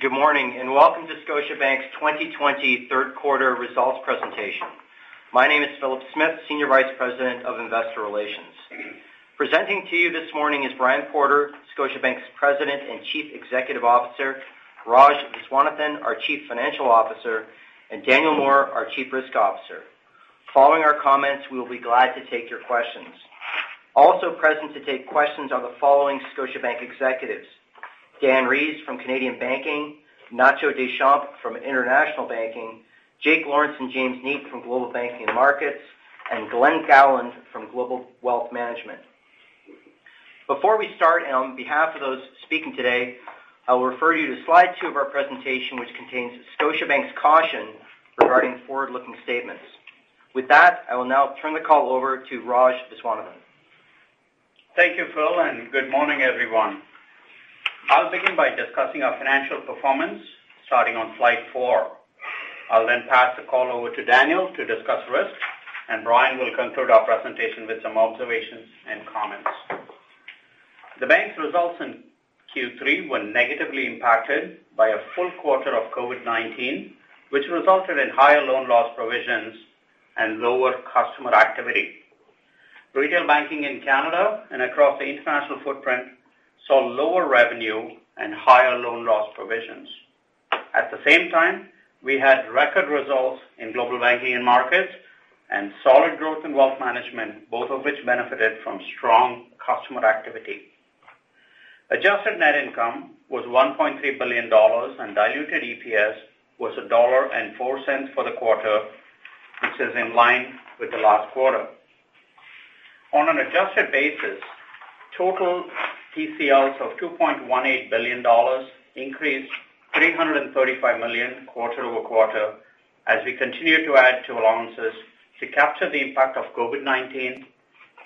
Good morning, welcome to Scotiabank's 2020 Third Quarter Results presentation. My name is Philip Smith, Senior Vice President of Investor Relations. Presenting to you this morning is Brian Porter, Scotiabank's President and Chief Executive Officer, Raj Viswanathan, our Chief Financial Officer, and Daniel Moore, our Chief Risk Officer. Following our comments, we will be glad to take your questions. Also present to take questions are the following Scotiabank executives, Dan Rees from Canadian Banking, Nacho Deschamps from International Banking, Jake Lawrence and James Neate from Global Banking and Markets, and Glen Gowland from Global Wealth Management. Before we start, on behalf of those speaking today, I will refer you to slide two of our presentation, which contains Scotiabank's caution regarding forward-looking statements. With that, I will now turn the call over to Raj Viswanathan. Thank you, Phil. Good morning, everyone. I'll begin by discussing our financial performance starting on slide four. I'll then pass the call over to Daniel to discuss risk. Brian will conclude our presentation with some observations and comments. The bank's results in Q3 were negatively impacted by a full quarter of COVID-19, which resulted in higher loan loss provisions and lower customer activity. Retail banking in Canada and across the international footprint saw lower revenue and higher loan loss provisions. At the same time, we had record results in Global Banking and Markets and solid growth in Global Wealth Management, both of which benefited from strong customer activity. Adjusted net income was 1.3 billion dollars. Diluted EPS was 1.04 dollar for the quarter, which is in line with the last quarter. On an adjusted basis, total PCLs of 2.18 billion dollars increased 335 million quarter-over-quarter as we continue to add to allowances to capture the impact of COVID-19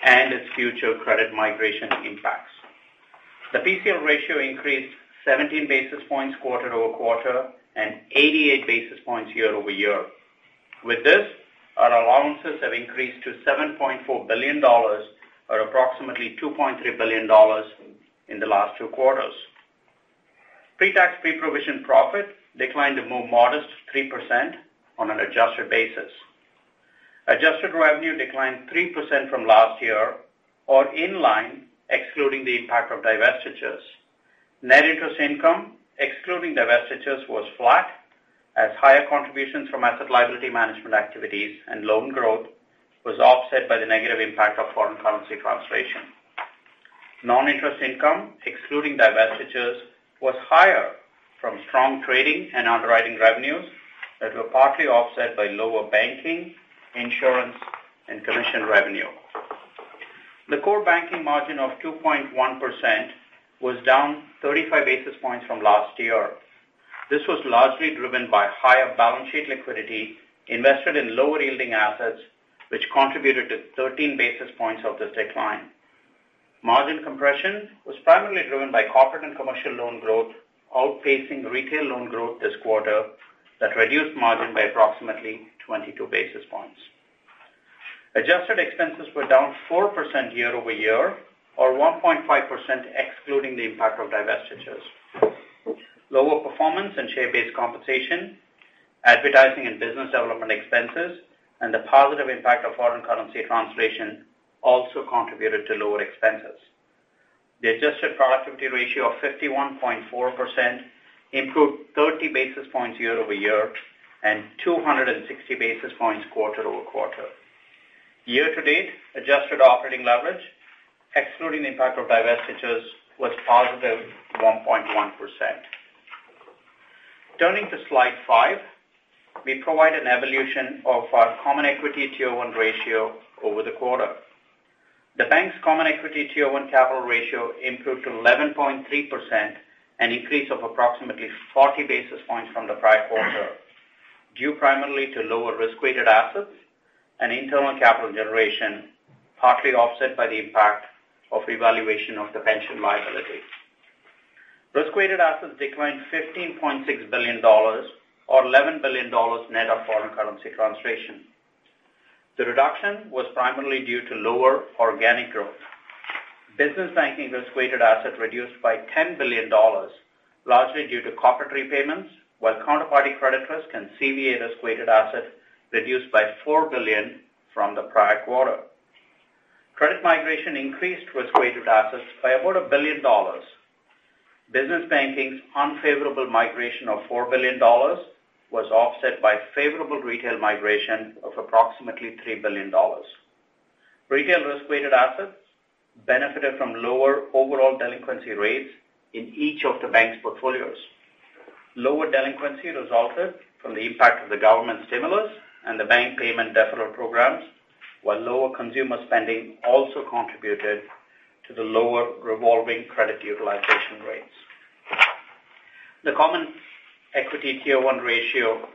and its future credit migration impacts. The PCL ratio increased 17 basis points quarter-over-quarter and 88 basis points year-over-year. With this, our allowances have increased to 7.4 billion dollars or approximately 2.3 billion dollars in the last two quarters. Pre-tax pre-provision profit declined a more modest 3% on an adjusted basis. Adjusted revenue declined 3% from last year or in line excluding the impact of divestitures. Net interest income, excluding divestitures, was flat as higher contributions from asset liability management activities and loan growth was offset by the negative impact of foreign currency translation. Non-interest income, excluding divestitures, was higher from strong trading and underwriting revenues that were partly offset by lower banking, insurance, and commission revenue. The core banking margin of 2.1% was down 35 basis points from last year. This was largely driven by higher balance sheet liquidity invested in lower yielding assets, which contributed to 13 basis points of this decline. Margin compression was primarily driven by Corporate and Commercial loan growth outpacing retail loan growth this quarter that reduced margin by approximately 22 basis points. Adjusted expenses were down 4% year-over-year or 1.5% excluding the impact of divestitures. Lower performance and share-based compensation, advertising and business development expenses, and the positive impact of foreign currency translation also contributed to lower expenses. The adjusted productivity ratio of 51.4% improved 30 basis points year-over-year and 260 basis points quarter-over-quarter. Year-to-date, adjusted operating leverage, excluding the impact of divestitures, was positive 1.1%. Turning to slide five, we provide an evolution of our common equity Tier 1 ratio over the quarter. The bank's common equity Tier 1 capital ratio improved to 11.3%, an increase of approximately 40 basis points from the prior quarter, due primarily to lower risk-weighted assets and internal capital generation, partly offset by the impact of revaluation of the pension liability. Risk-weighted assets declined 15.6 billion dollars, or 11 billion dollars net of foreign currency translation. The reduction was primarily due to lower organic growth. Business banking risk-weighted asset reduced by 10 billion dollars, largely due to corporate repayments, while counterparty credit risk and CVA risk-weighted asset reduced by 4 billion from the prior quarter. Credit migration increased risk-weighted assets by about 1 billion dollars. Business banking's unfavorable migration of 4 billion dollars was offset by favorable retail migration of approximately 3 billion dollars. Retail risk-weighted assets benefited from lower overall delinquency rates in each of the bank's portfolios. Lower delinquency resulted from the impact of the government stimulus and the bank payment deferral programs, while lower consumer spending also contributed to the lower revolving credit utilization rates. The common equity Tier 1 ratio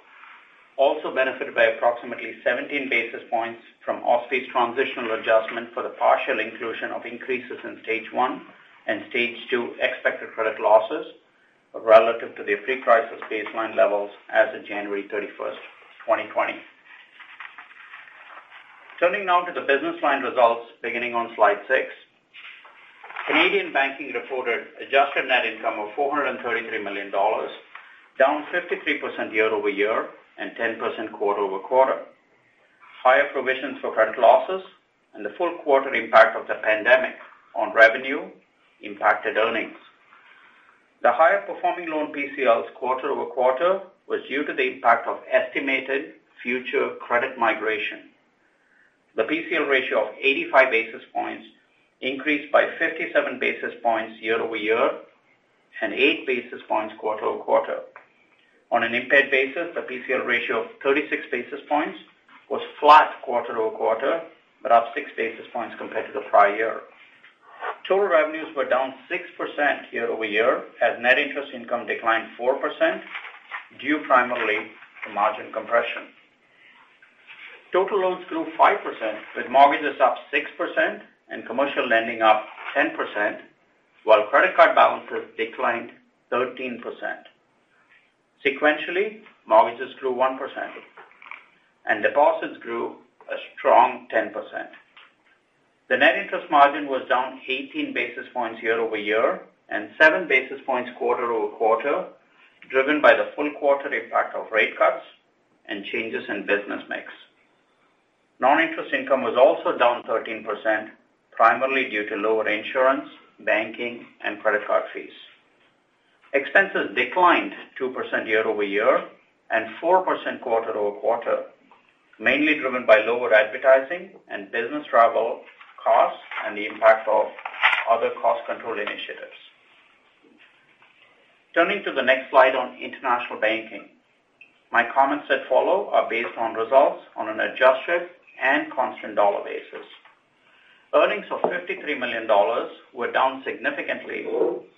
also benefited by approximately 17 basis points from OSFI transitional adjustment for the partial inclusion of increases in Stage 1 and Stage 2 expected credit losses relative to their pre-crisis baseline levels as of January 31, 2020. Turning now to the business line results beginning on slide six. Canadian Banking reported adjusted net income of 433 million dollars, down 53% year-over-year and 10% quarter-over-quarter. Higher provisions for credit losses and the full quarter impact of the pandemic on revenue impacted earnings. The higher performing loan PCLs quarter-over-quarter was due to the impact of estimated future credit migration. The PCL ratio of 85 basis points increased by 57 basis points year-over-year and eight basis points quarter-over-quarter. On an impaired basis, the PCL ratio of 36 basis points was flat quarter-over-quarter, up six basis points compared to the prior year. Total revenues were down 6% year-over-year as net interest income declined 4%, due primarily to margin compression. Total loans grew 5%, with mortgages up 6% and Commercial lending up 10%, while credit card balances declined 13%. Sequentially, mortgages grew 1% and deposits grew a strong 10%. The net interest margin was down 18 basis points year-over-year and seven basis points quarter-over-quarter, driven by the full quarter impact of rate cuts and changes in business mix. Non-interest income was also down 13%, primarily due to lower insurance, banking, and credit card fees. Expenses declined 2% year-over-year and 4% quarter-over-quarter, mainly driven by lower advertising and business travel costs and the impact of other cost control initiatives. Turning to the next slide on International Banking. My comments that follow are based on results on an adjusted and constant dollar basis. Earnings of 53 million dollars were down significantly,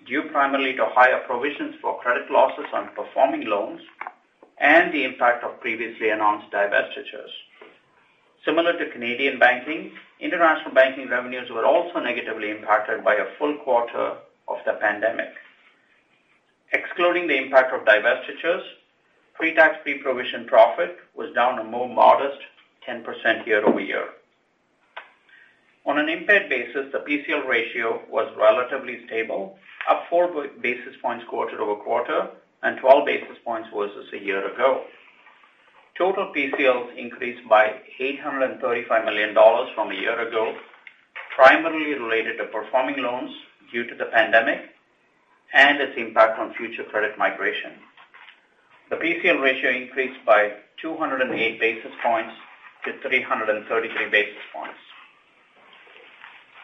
due primarily to higher provisions for credit losses on performing loans and the impact of previously announced divestitures. Similar to Canadian Banking, International Banking revenues were also negatively impacted by a full quarter of the pandemic. Excluding the impact of divestitures, pre-tax, pre-provision profit was down a more modest 10% year-over-year. On an impaired basis, the PCL ratio was relatively stable, up four basis points quarter-over-quarter, and 12 basis points versus a year ago. Total PCLs increased by 835 million dollars from a year ago, primarily related to performing loans due to the pandemic and its impact on future credit migration. The PCL ratio increased by 208 basis points to 333 basis points.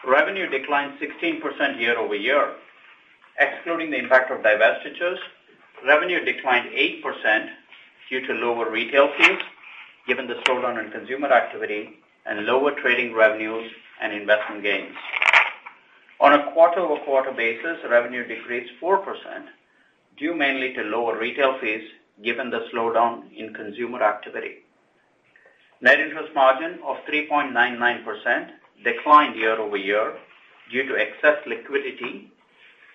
Revenue declined 16% year-over-year. Excluding the impact of divestitures, revenue declined 8% due to lower retail fees, given the slowdown in consumer activity and lower trading revenues and investment gains. On a quarter-over-quarter basis, revenue decreased 4% due mainly to lower retail fees given the slowdown in consumer activity. Net interest margin of 3.99% declined year-over-year due to excess liquidity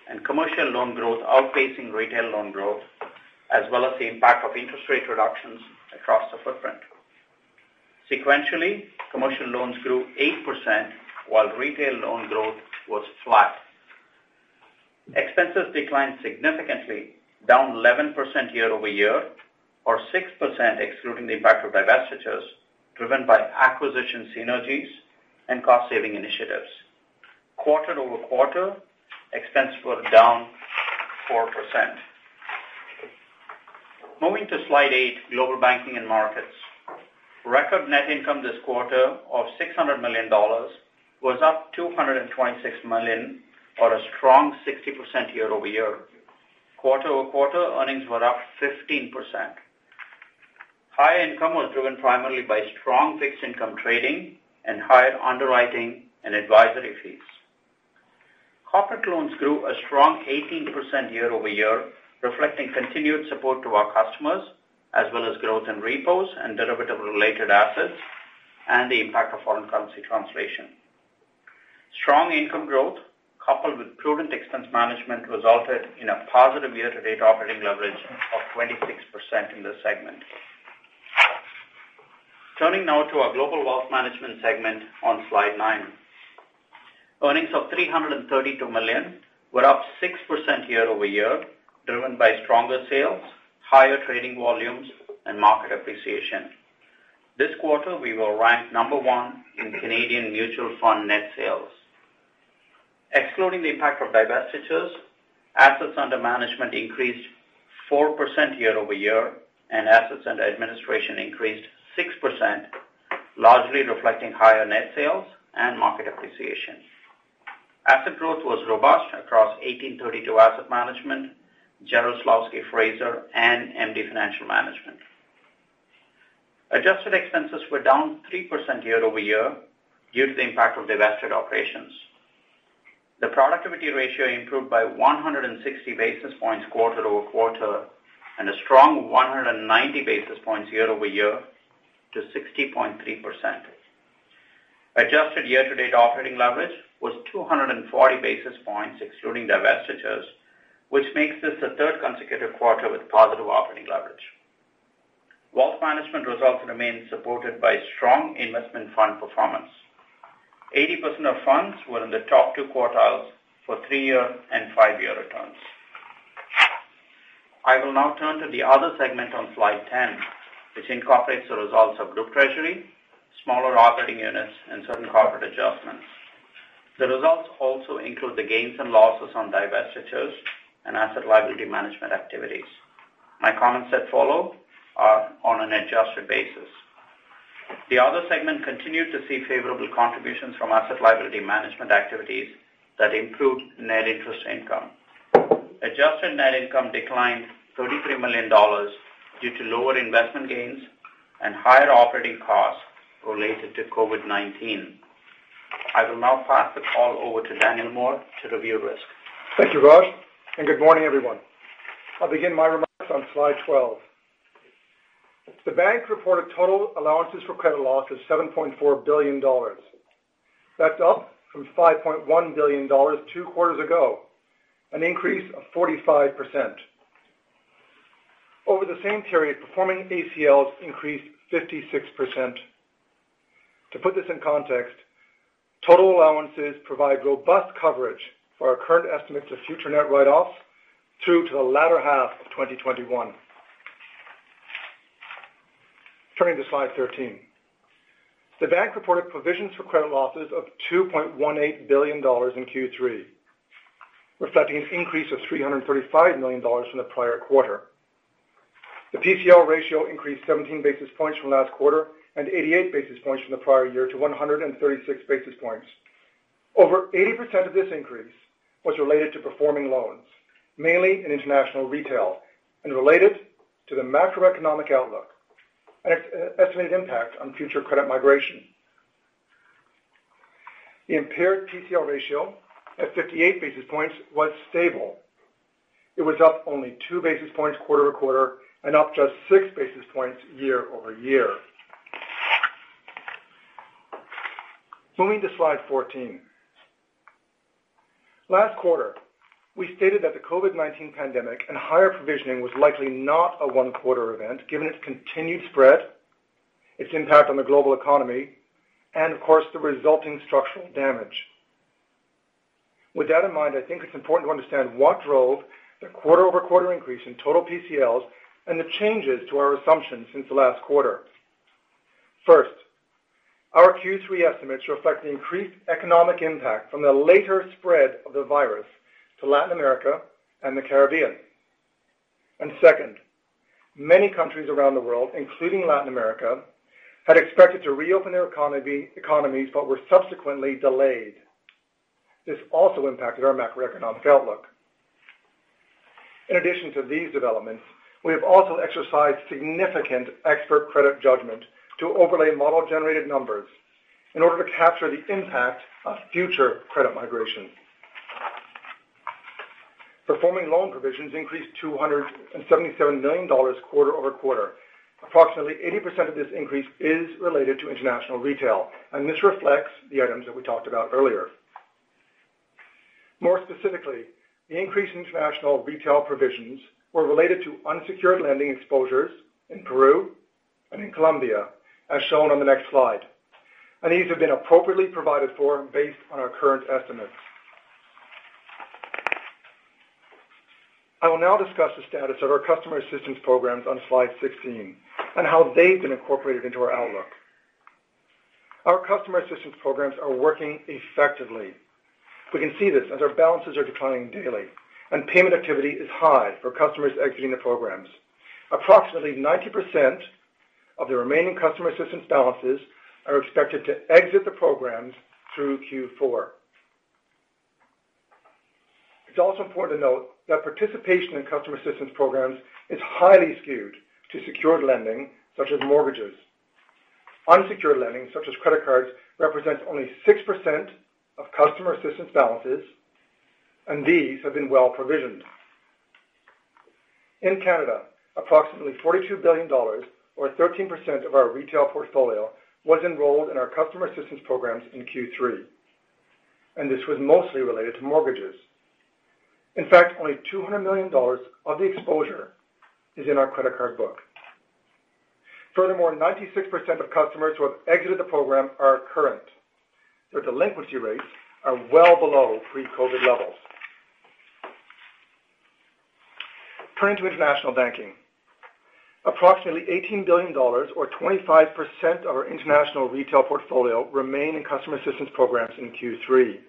and Commercial loan growth outpacing retail loan growth, as well as the impact of interest rate reductions across the footprint. Sequentially, Commercial loans grew 8% while retail loan growth was flat. Expenses declined significantly, down 11% year-over-year or 6% excluding the impact of divestitures, driven by acquisition synergies and cost-saving initiatives. Quarter-over-quarter, expenses were down 4%. Moving to slide eight, Global Banking and Markets. Record net income this quarter of 600 million dollars was up 226 million or a strong 60% year-over-year. Quarter-over-quarter, earnings were up 15%. High income was driven primarily by strong fixed income trading and higher underwriting and advisory fees. Corporate loans grew a strong 18% year-over-year, reflecting continued support to our customers as well as growth in repos and derivative-related assets and the impact of foreign currency translation. Strong income growth coupled with prudent expense management resulted in a positive year-to-date operating leverage of 26% in this segment. Turning now to our Global Wealth Management segment on slide nine. Earnings of 332 million were up 6% year-over-year, driven by stronger sales, higher trading volumes, and market appreciation. This quarter, we were ranked number one in Canadian mutual fund net sales. Excluding the impact of divestitures, assets under management increased 4% year-over-year, and assets under administration increased 6%, largely reflecting higher net sales and market appreciation. Asset growth was robust across 1832 Asset Management, Jarislowsky Fraser, and MD Financial Management. Adjusted expenses were down 3% year-over-year due to the impact of divested operations. The productivity ratio improved by 160 basis points quarter-over-quarter and a strong 190 basis points year-over-year to 60.3%. Adjusted year-to-date operating leverage was 240 basis points excluding divestitures, which makes this the third consecutive quarter with positive operating leverage. Wealth management results remain supported by strong investment fund performance. 80% of funds were in the top two quartiles for three-year and five-year returns. I will now turn to the other segment on slide 10, which incorporates the results of group treasury, smaller operating units, and certain corporate adjustments. The results also include the gains and losses on divestitures and asset liability management activities. My comments that follow are on an adjusted basis. The other segment continued to see favorable contributions from asset liability management activities that improved net interest income. Adjusted net income declined 33 million dollars due to lower investment gains and higher operating costs related to COVID-19. I will now pass the call over to Daniel Moore to review risk. Thank you, Raj. Good morning, everyone. I'll begin my remarks on slide 12. The bank reported total allowances for credit losses 7.4 billion dollars. That's up from 5.1 billion dollars two quarters ago, an increase of 45%. Over the same period, performing ACLs increased 56%. To put this in context, total allowances provide robust coverage for our current estimates of future net write-offs through to the latter half of 2021. Turning to slide 13. The bank reported provisions for credit losses of 2.18 billion dollars in Q3, reflecting an increase of 335 million dollars from the prior quarter. The PCL ratio increased 17 basis points from last quarter and 88 basis points from the prior year to 136 basis points. Over 80% of this increase was related to performing loans, mainly in International Retail and related to the macroeconomic outlook and estimated impact on future credit migration. The impaired PCL ratio at 58 basis points was stable. It was up only two basis points quarter-over-quarter and up just six basis points year-over-year. Moving to slide 14. Last quarter, we stated that the COVID-19 pandemic and higher provisioning was likely not a one-quarter event given its continued spread, its impact on the global economy, and of course, the resulting structural damage. With that in mind, I think it's important to understand what drove the quarter-over-quarter increase in total PCLs and the changes to our assumptions since the last quarter. First, our Q3 estimates reflect the increased economic impact from the later spread of the virus to Latin America and the Caribbean. Second, many countries around the world, including Latin America, had expected to reopen their economies but were subsequently delayed. This also impacted our macroeconomic outlook. In addition to these developments, we have also exercised significant expert credit judgment to overlay model-generated numbers in order to capture the impact of future credit migration. Performing loan provisions increased 277 million dollars quarter-over-quarter. Approximately 80% of this increase is related to International Retail. This reflects the items that we talked about earlier. More specifically, the increase in International Retail provisions were related to unsecured lending exposures in Peru and in Colombia, as shown on the next slide. These have been appropriately provided for based on our current estimates. I will now discuss the status of our customer assistance programs on slide 16 and how they've been incorporated into our outlook. Our Customer Assistance programs are working effectively. We can see this as our balances are declining daily and payment activity is high for customers exiting the programs. Approximately 90% of the remaining Customer Assistance balances are expected to exit the programs through Q4. It's also important to note that participation in Customer Assistance programs is highly skewed to secured lending, such as mortgages. Unsecured lending, such as credit cards, represents only 6% of Customer Assistance balances. These have been well provisioned. In Canada, approximately 42 billion dollars or 13% of our Retail portfolio was enrolled in our Customer Assistance programs in Q3. This was mostly related to mortgages. In fact, only 200 million dollars of the exposure is in our credit card book. Furthermore, 96% of customers who have exited the program are current. Their delinquency rates are well below pre-COVID levels. Turning to International Banking. Approximately 18 billion dollars or 25% of our International Retail portfolio remain in Customer Assistance programs in Q3.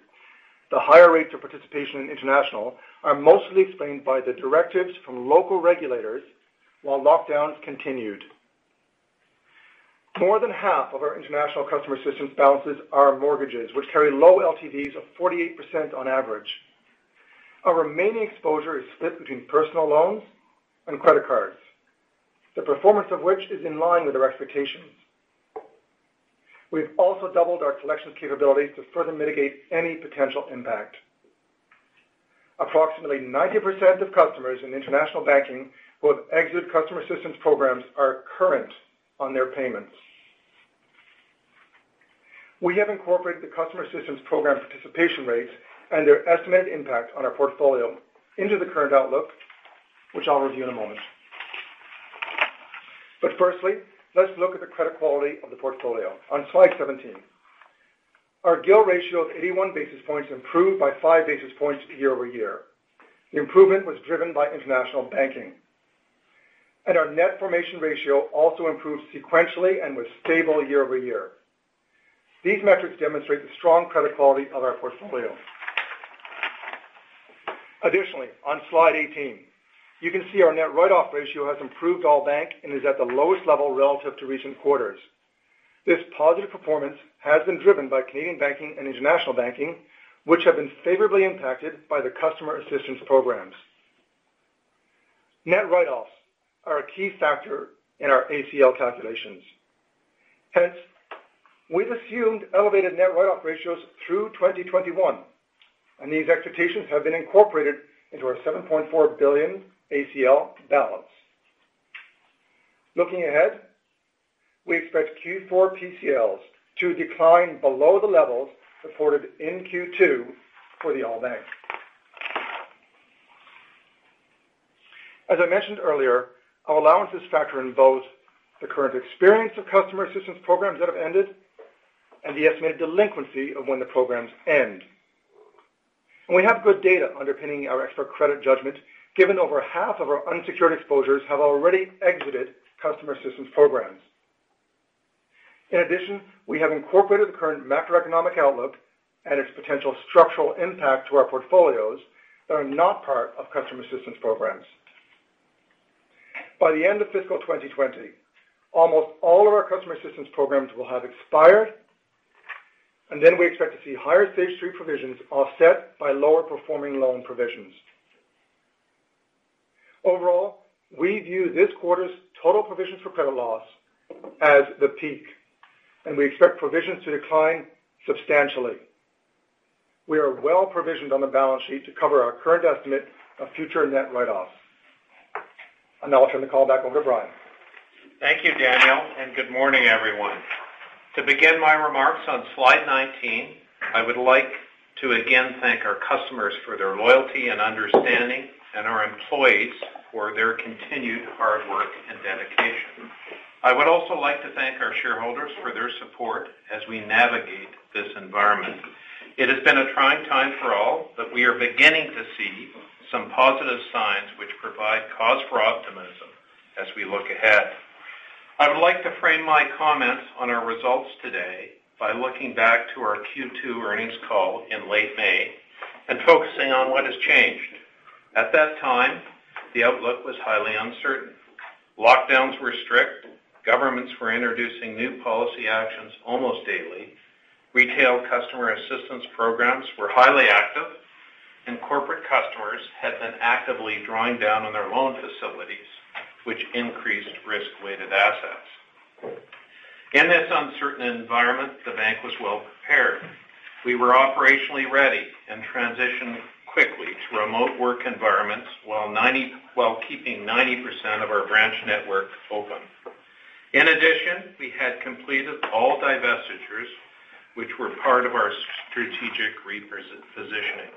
The higher rates of participation in International Banking are mostly explained by the directives from local regulators while lockdowns continued. More than half of our International Customer Assistance balances are mortgages, which carry low LTVs of 48% on average. Our remaining exposure is split between personal loans and credit cards, the performance of which is in line with our expectations. We've also doubled our collection capabilities to further mitigate any potential impact. Approximately 90% of customers in International Banking who have exited Customer Assistance programs are current on their payments. We have incorporated the Customer Assistance program participation rates and their estimated impact on our portfolio into the current outlook, which I'll review in a moment. Firstly, let's look at the credit quality of the portfolio on slide 17. Our GIL ratio of 81 basis points improved by five basis points year-over-year. The improvement was driven by International Banking. Our net formation ratio also improved sequentially and was stable year-over-year. These metrics demonstrate the strong credit quality of our portfolio. Additionally, on slide 18, you can see our net write-off ratio has improved all bank and is at the lowest level relative to recent quarters. This positive performance has been driven by Canadian Banking and International Banking, which have been favorably impacted by the Customer Assistance programs. Net write-offs are a key factor in our ACL calculations. Hence, we've assumed elevated net write-off ratios through 2021, and these expectations have been incorporated into our 7.4 billion ACL balance. Looking ahead, we expect Q4 PCLs to decline below the levels reported in Q2 for the all bank. As I mentioned earlier, our allowances factor in both the current experience of Customer Assistance programs that have ended and the estimated delinquency of when the programs end. We have good data underpinning our expert credit judgment, given over half of our unsecured exposures have already exited Customer Assistance programs. In addition, we have incorporated the current macroeconomic outlook and its potential structural impact to our portfolios that are not part of Customer Assistance programs. By the end of fiscal 2020, almost all of our Customer Assistance programs will have expired, then we expect to see higher Stage 3 provisions offset by lower performing loan provisions. Overall, we view this quarter's total provisions for Credit Loss as the peak, we expect provisions to decline substantially. We are well-provisioned on the balance sheet to cover our current estimate of future net write-offs. Now I'll turn the call back over to Brian. Thank you, Daniel, and good morning, everyone. To begin my remarks on Slide 19, I would like to again thank our customers for their loyalty and understanding and our employees for their continued hard work and dedication. I would also like to thank our shareholders for their support as we navigate this environment. It has been a trying time for all, but we are beginning to see some positive signs which provide cause for optimism as we look ahead. I would like to frame my comments on our results today by looking back to our Q2 earnings call in late May and focusing on what has changed. At that time, the outlook was highly uncertain. Lockdowns were strict. Governments were introducing new policy actions almost daily. Retail Customer Assistance programs were highly active, and Corporate customers had been actively drawing down on their loan facilities, which increased risk-weighted assets. In this uncertain environment, the bank was well prepared. We were operationally ready and transitioned quickly to remote work environments while keeping 90% of our branch network open. In addition, we had completed all divestitures, which were part of our strategic repositioning.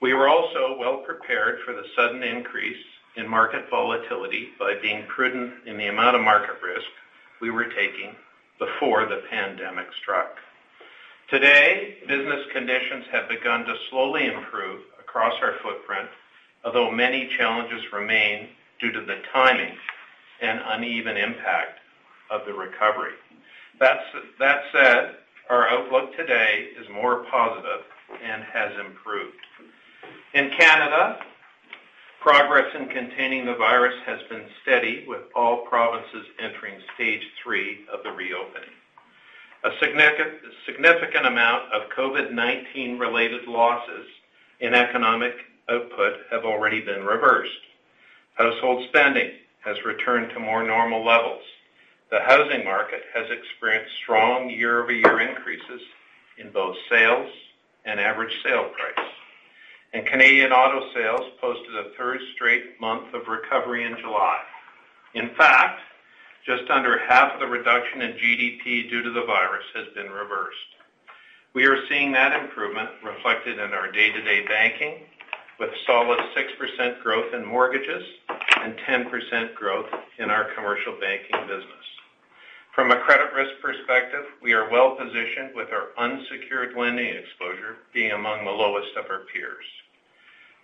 We were also well prepared for the sudden increase in market volatility by being prudent in the amount of market risk we were taking before the pandemic struck. Today, business conditions have begun to slowly improve across our footprint, although many challenges remain due to the timing and uneven impact of the recovery. That said, our outlook today is more positive and has improved. In Canada, progress in containing the virus has been steady, with all provinces entering stage 3 of the reopening. A significant amount of COVID-19 related losses in economic output have already been reversed. Household spending has returned to more normal levels. The housing market has experienced strong year-over-year increases in both sales and average sale price. Canadian auto sales posted a third straight month of recovery in July. Just under half of the reduction in GDP due to the virus has been reversed. We are seeing that improvement reflected in our day-to-day banking, with solid 6% growth in mortgages and 10% growth in our Commercial Banking business. From a credit risk perspective, we are well-positioned, with our unsecured lending exposure being among the lowest of our peers.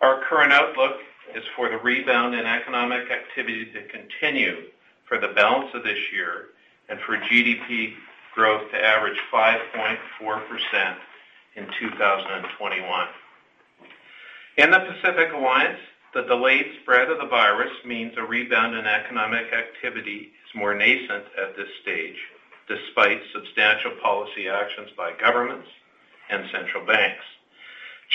Our current outlook is for the rebound in economic activity to continue for the balance of this year and for GDP growth to average 5.4% in 2021. In the Pacific Alliance, the delayed spread of the virus means a rebound in economic activity is more nascent at this stage, despite substantial policy actions by governments and central banks.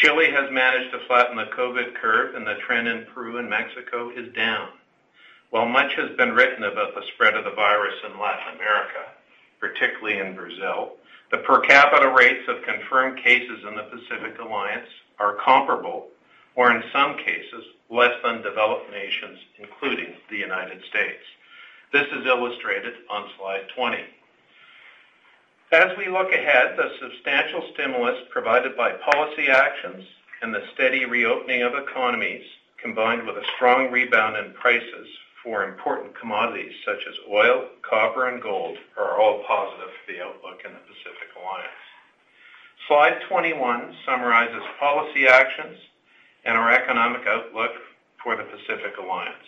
Chile has managed to flatten the COVID curve, and the trend in Peru and Mexico is down. While much has been written about the spread of the virus in Latin America, particularly in Brazil, the per capita rates of confirmed cases in the Pacific Alliance are comparable, or in some cases, less than developed nations, including the United States. This is illustrated on slide 20. As we look ahead, the substantial stimulus provided by policy actions and the steady reopening of economies, combined with a strong rebound in prices for important commodities such as oil, copper and gold, are all positive for the outlook in the Pacific Alliance. Slide 21 summarizes policy actions and our economic outlook for the Pacific Alliance.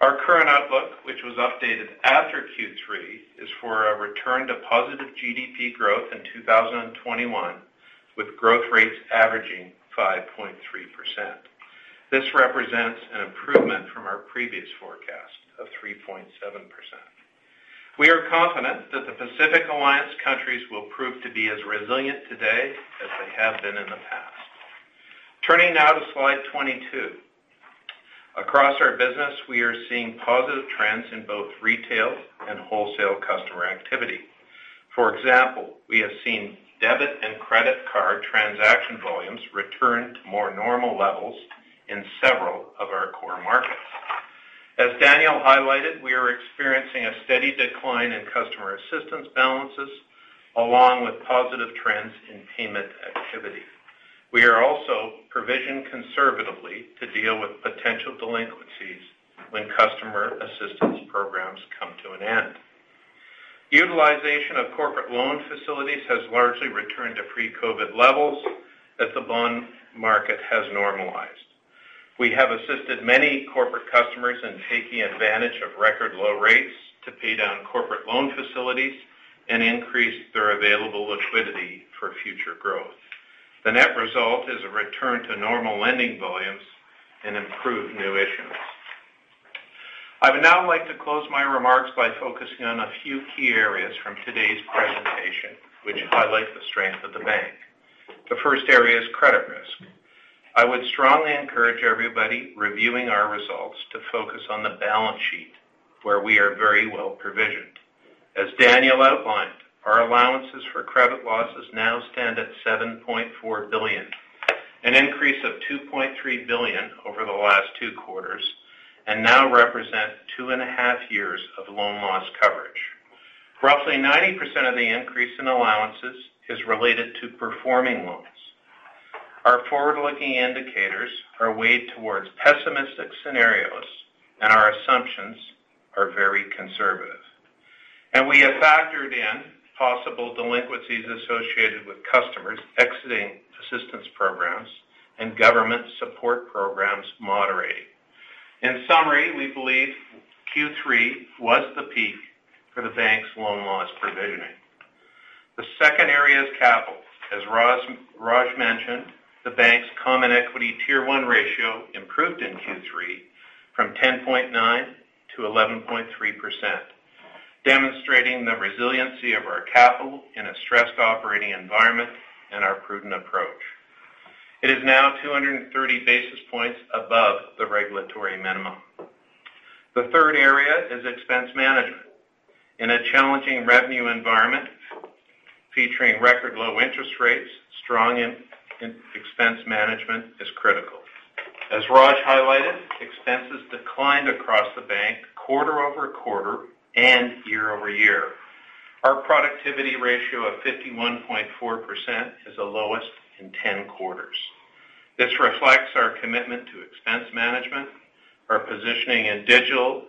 Our current outlook, which was updated after Q3, is for a return to positive GDP growth in 2021, with growth rates averaging 5.3%. This represents an improvement from our previous forecast of 3.7%. We are confident that the Pacific Alliance countries will prove to be as resilient today as they have been in the past. Turning now to slide 22. Across our business, we are seeing positive trends in both retail and wholesale customer activity. For example, we have seen debit and credit card transaction volumes return to more normal levels in several of our core markets. As Daniel highlighted, we are experiencing a steady decline in Customer Assistance balances along with positive trends in payment activity. We are also provisioned conservatively to deal with potential delinquencies when Customer Assistance programs come to an end. Utilization of corporate loan facilities has largely returned to pre-COVID levels as the bond market has normalized. We have assisted many corporate customers in taking advantage of record low rates to pay down corporate loan facilities and increase their available liquidity for future growth. The net result is a return to normal lending volumes and improved new issuance. I would now like to close my remarks by focusing on a few key areas from today's presentation, which highlight the strength of the bank. The first area is credit risk. I would strongly encourage everybody reviewing our results to focus on the balance sheet, where we are very well provisioned. As Daniel outlined, our allowances for credit losses now stand at 7.4 billion, an increase of 2.3 billion over the last two quarters, and now represent two and a half years of loan loss coverage. Roughly 90% of the increase in allowances is related to performing loans. Our forward-looking indicators are weighed towards pessimistic scenarios, and our assumptions are very conservative. We have factored in possible delinquencies associated with customers exiting assistance programs and government support programs moderating. In summary, we believe Q3 was the peak for the bank's loan loss provisioning. The second area is capital. As Raj mentioned, the bank's common equity Tier 1 ratio improved in Q3 from 10.9% to 11.3%, demonstrating the resiliency of our capital in a stressed operating environment and our prudent approach. It is now 230 basis points above the regulatory minimum. The third area is expense management. In a challenging revenue environment featuring record low interest rates, strong expense management is critical. As Raj highlighted, expenses declined across the bank quarter-over-quarter and year-over-year. Our productivity ratio of 51.4% is the lowest in 10 quarters. This reflects our commitment to expense management, our positioning in digital,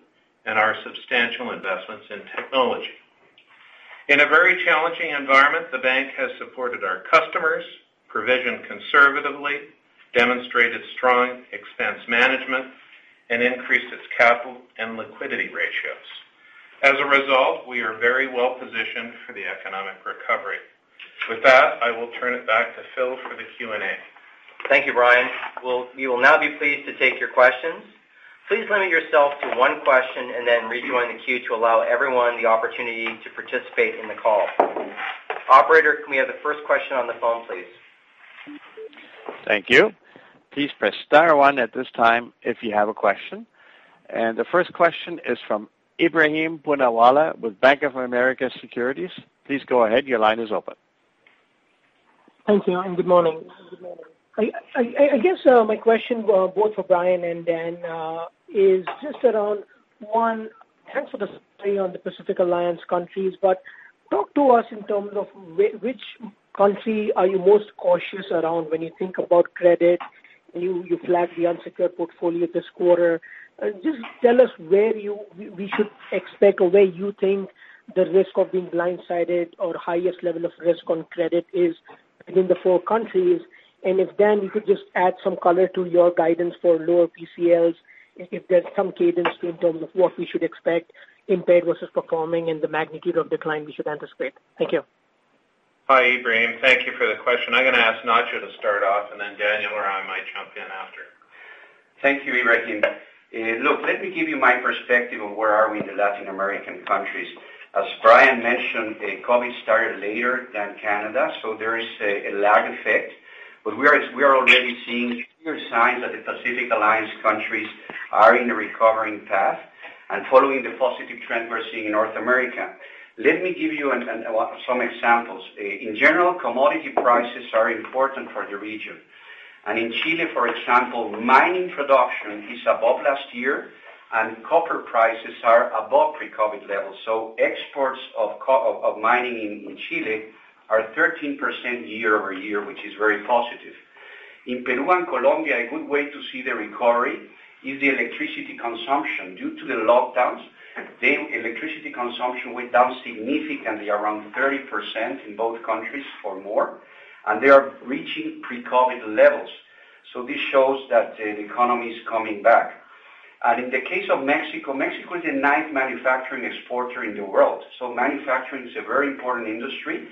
and our substantial investments in technology. In a very challenging environment, the Bank has supported our customers, provisioned conservatively, demonstrated strong expense management, and increased its capital and liquidity ratios. As a result, we are very well-positioned for the economic recovery. With that, I will turn it back to Phil for the Q&A. Thank you, Brian. We will now be pleased to take your questions. Please limit yourself to one question and then rejoin the queue to allow everyone the opportunity to participate in the call. Operator, can we have the first question on the phone, please? Thank you. Please press star one at this time if you have a question. The first question is from Ebrahim Poonawala with Bank of America Securities. Please go ahead. Your line is open. Thank you. Good morning. I guess my question, both for Brian and Dan, is just around, one, thanks for the summary on the Pacific Alliance countries. Talk to us in terms of which country are you most cautious around when you think about credit, and you flagged the unsecured portfolio this quarter. Just tell us where we should expect or where you think the risk of being blindsided or highest level of risk on credit is within the four countries. If, Dan, you could just add some color to your guidance for lower PCLs, if there's some cadence in terms of what we should expect impaired versus performing and the magnitude of decline we should anticipate. Thank you. Hi, Ebrahim. Thank you for the question. I'm going to ask Nacho to start off, and then Daniel or I might jump in after. Thank you, Ebrahim. Look, let me give you my perspective of where are we in the Latin American countries. As Brian mentioned, COVID started later than Canada, there is a lag effect. We are already seeing clear signs that the Pacific Alliance countries are in a recovering path and following the positive trend we're seeing in North America. Let me give you some examples. In general, commodity prices are important for the region. In Chile, for example, mining production is above last year, and copper prices are above pre-COVID levels. Exports of mining in Chile are 13% year-over-year, which is very positive. In Peru and Colombia, a good way to see the recovery is the electricity consumption. Due to the lockdowns, the electricity consumption went down significantly, around 30% in both countries or more, and they are reaching pre-COVID levels. This shows that the economy is coming back. In the case of Mexico is the ninth manufacturing exporter in the world. Manufacturing is a very important industry,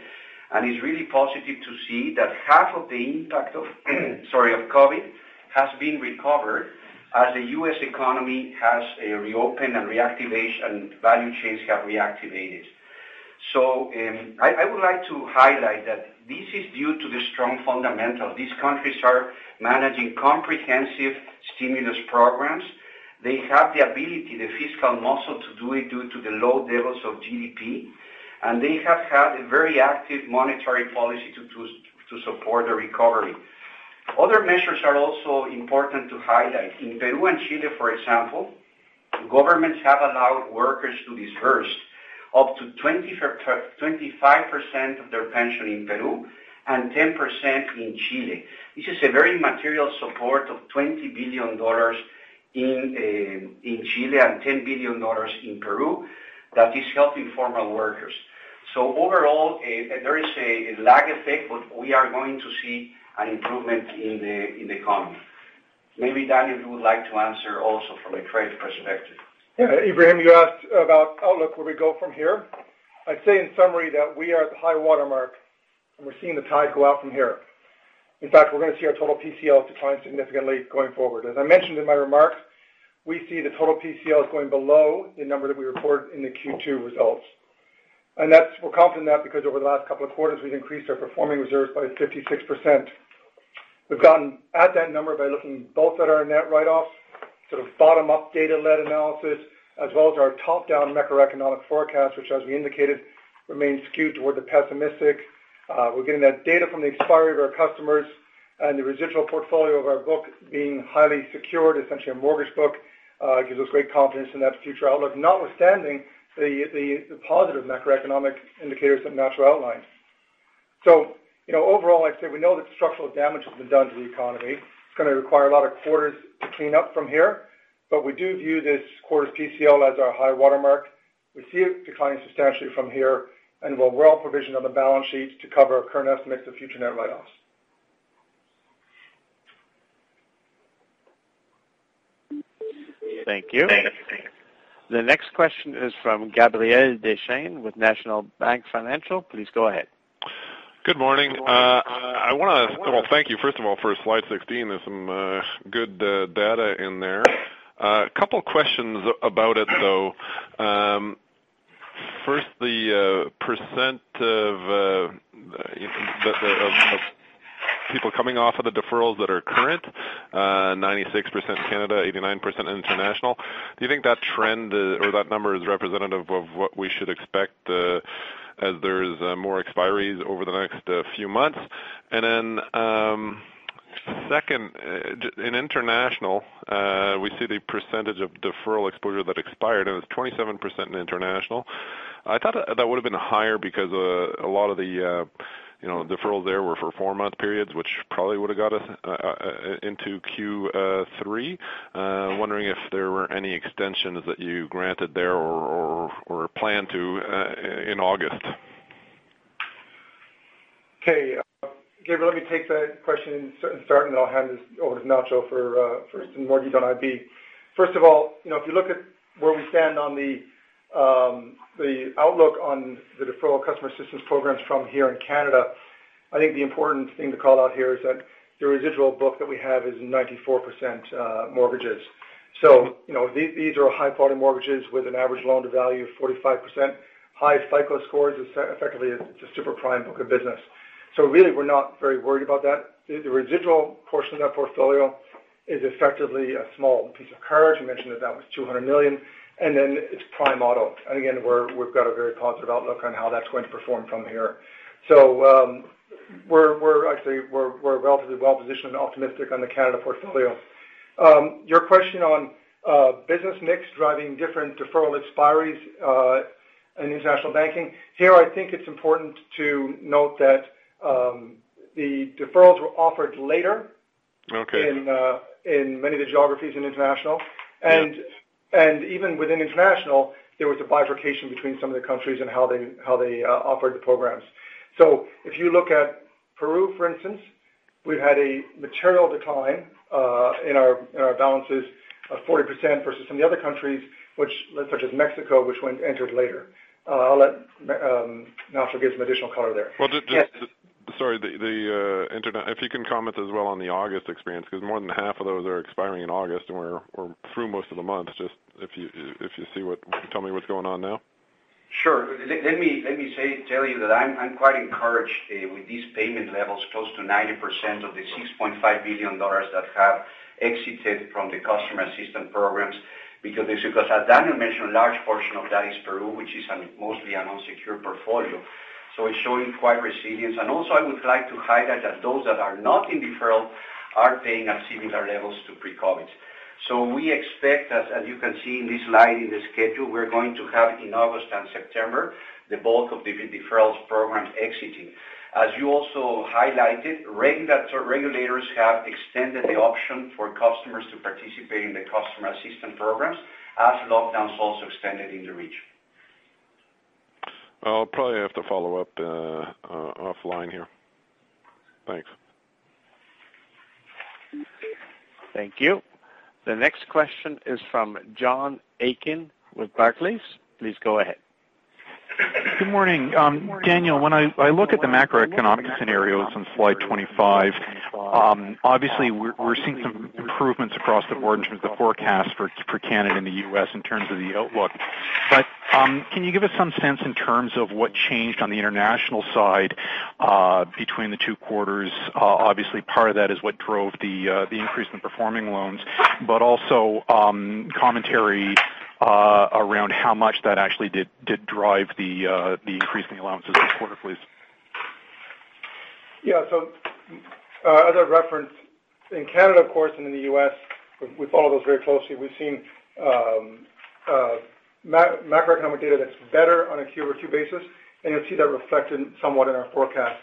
and it's really positive to see that half of the impact of COVID has been recovered as the U.S. economy has reopened and value chains have reactivated. I would like to highlight that this is due to the strong fundamentals. These countries are managing comprehensive stimulus programs. They have the ability, the fiscal muscle to do it due to the low levels of GDP, and they have had a very active monetary policy to support the recovery. Other measures are also important to highlight. In Peru and Chile, for example, governments have allowed workers to disburse up to 25% of their pension in Peru and 10% in Chile. This is a very material support of 20 billion dollars in Chile and 10 billion dollars in Peru that is helping formal workers. Overall, there is a lag effect, but we are going to see an improvement in the economy. Maybe, Daniel, you would like to answer also from a trade perspective. Yeah. Ebrahim, you asked about outlook, where we go from here. I'd say in summary that we are at the high watermark, and we're seeing the tide go out from here. In fact, we're going to see our total PCL decline significantly going forward. As I mentioned in my remarks, we see the total PCLs going below the number that we reported in the Q2 results. We're confident in that because over the last couple of quarters, we've increased our performing reserves by 56%. We've gotten at that number by looking both at our net write-offs, sort of bottom-up data-led analysis, as well as our top-down macroeconomic forecast, which as we indicated, remains skewed toward the pessimistic. We're getting that data from the expiry of our customers and the residual portfolio of our book being highly secured, essentially a mortgage book, gives us great confidence in that future outlook. Notwithstanding the positive macroeconomic indicators that Nacho outlined. Overall, I'd say we know that structural damage has been done to the economy. It's going to require a lot of quarters to clean up from here, but we do view this quarter's PCL as our high watermark. We see it declining substantially from here, and we'll well provision on the balance sheet to cover current estimates of future net write-offs. Thank you. Thanks. The next question is from Gabriel Dechaine with National Bank Financial. Please go ahead. Good morning. Thank you, first of all, for slide 16. There's some good data in there. A couple questions about it, though. First, the percent of people coming off of the deferrals that are current, 96% Canada, 89% International. Do you think that trend or that number is representative of what we should expect as there's more expiries over the next few months? Second, in International we see the percentage of deferral exposure that expired, and it's 27% in International. I thought that would have been higher because a lot of the deferrals there were for four-month periods, which probably would have got us into Q3. Wondering if there were any extensions that you granted there or plan to in August. Gabriel, let me take that question and start, then I'll hand this over to Nacho for some mortgage on IB. If you look at where we stand on the outlook on the deferral customer assistance programs from here in Canada, I think the important thing to call out here is that the residual book that we have is 94% mortgages. These are high-quality mortgages with an average loan-to-value of 45%, high FICO scores. Effectively, it's a super prime book of business. Really, we're not very worried about that. The residual portion of that portfolio is effectively a small piece of cards. You mentioned that that was 200 million, then it's prime auto. Again, we've got a very positive outlook on how that's going to perform from here. We're relatively well-positioned and optimistic on the Canada portfolio. Your question on business mix driving different deferral expiries in International Banking. Here, I think it's important to note that the deferrals were offered later. Okay in many of the geographies in international. Even within international, there was a bifurcation between some of the countries in how they offered the programs. If you look at Peru, for instance, we've had a material decline in our balances of 40% versus some of the other countries such as Mexico, which entered later. I'll let Nacho give some additional color there. Sorry. If you can comment as well on the August experience, because more than half of those are expiring in August, and we're through most of the month. If you see, tell me what's going on now. Sure. Let me tell you that I'm quite encouraged with these payment levels close to 90% of the 6.5 billion dollars that have exited from the customer assistance programs. As Daniel mentioned, a large portion of that is Peru, which is mostly an unsecured portfolio. It's showing quite resilience. Also, I would like to highlight that those that are not in deferral are paying at similar levels to pre-COVID. We expect as you can see in this slide in the schedule, we're going to have in August and September, the bulk of the deferrals program exiting. As you also highlighted, regulators have extended the option for customers to participate in the customer assistance programs as lockdowns also extended in the region. I'll probably have to follow up offline here. Thanks. Thank you. The next question is from John Aiken with Barclays. Please go ahead. Good morning. Daniel, when I look at the macroeconomic scenarios on slide 25, obviously we're seeing some improvements across the board in terms of the forecast for Canada and the U.S. in terms of the outlook. Can you give us some sense in terms of what changed on the International side between the two quarters? Obviously, part of that is what drove the increase in performing loans, but also commentary around how much that actually did drive the increase in the allowances this quarter, please. As I referenced, in Canada of course, in the U.S. we follow those very closely. We've seen macroeconomic data that's better on a Q2 basis, you'll see that reflected somewhat in our forecast.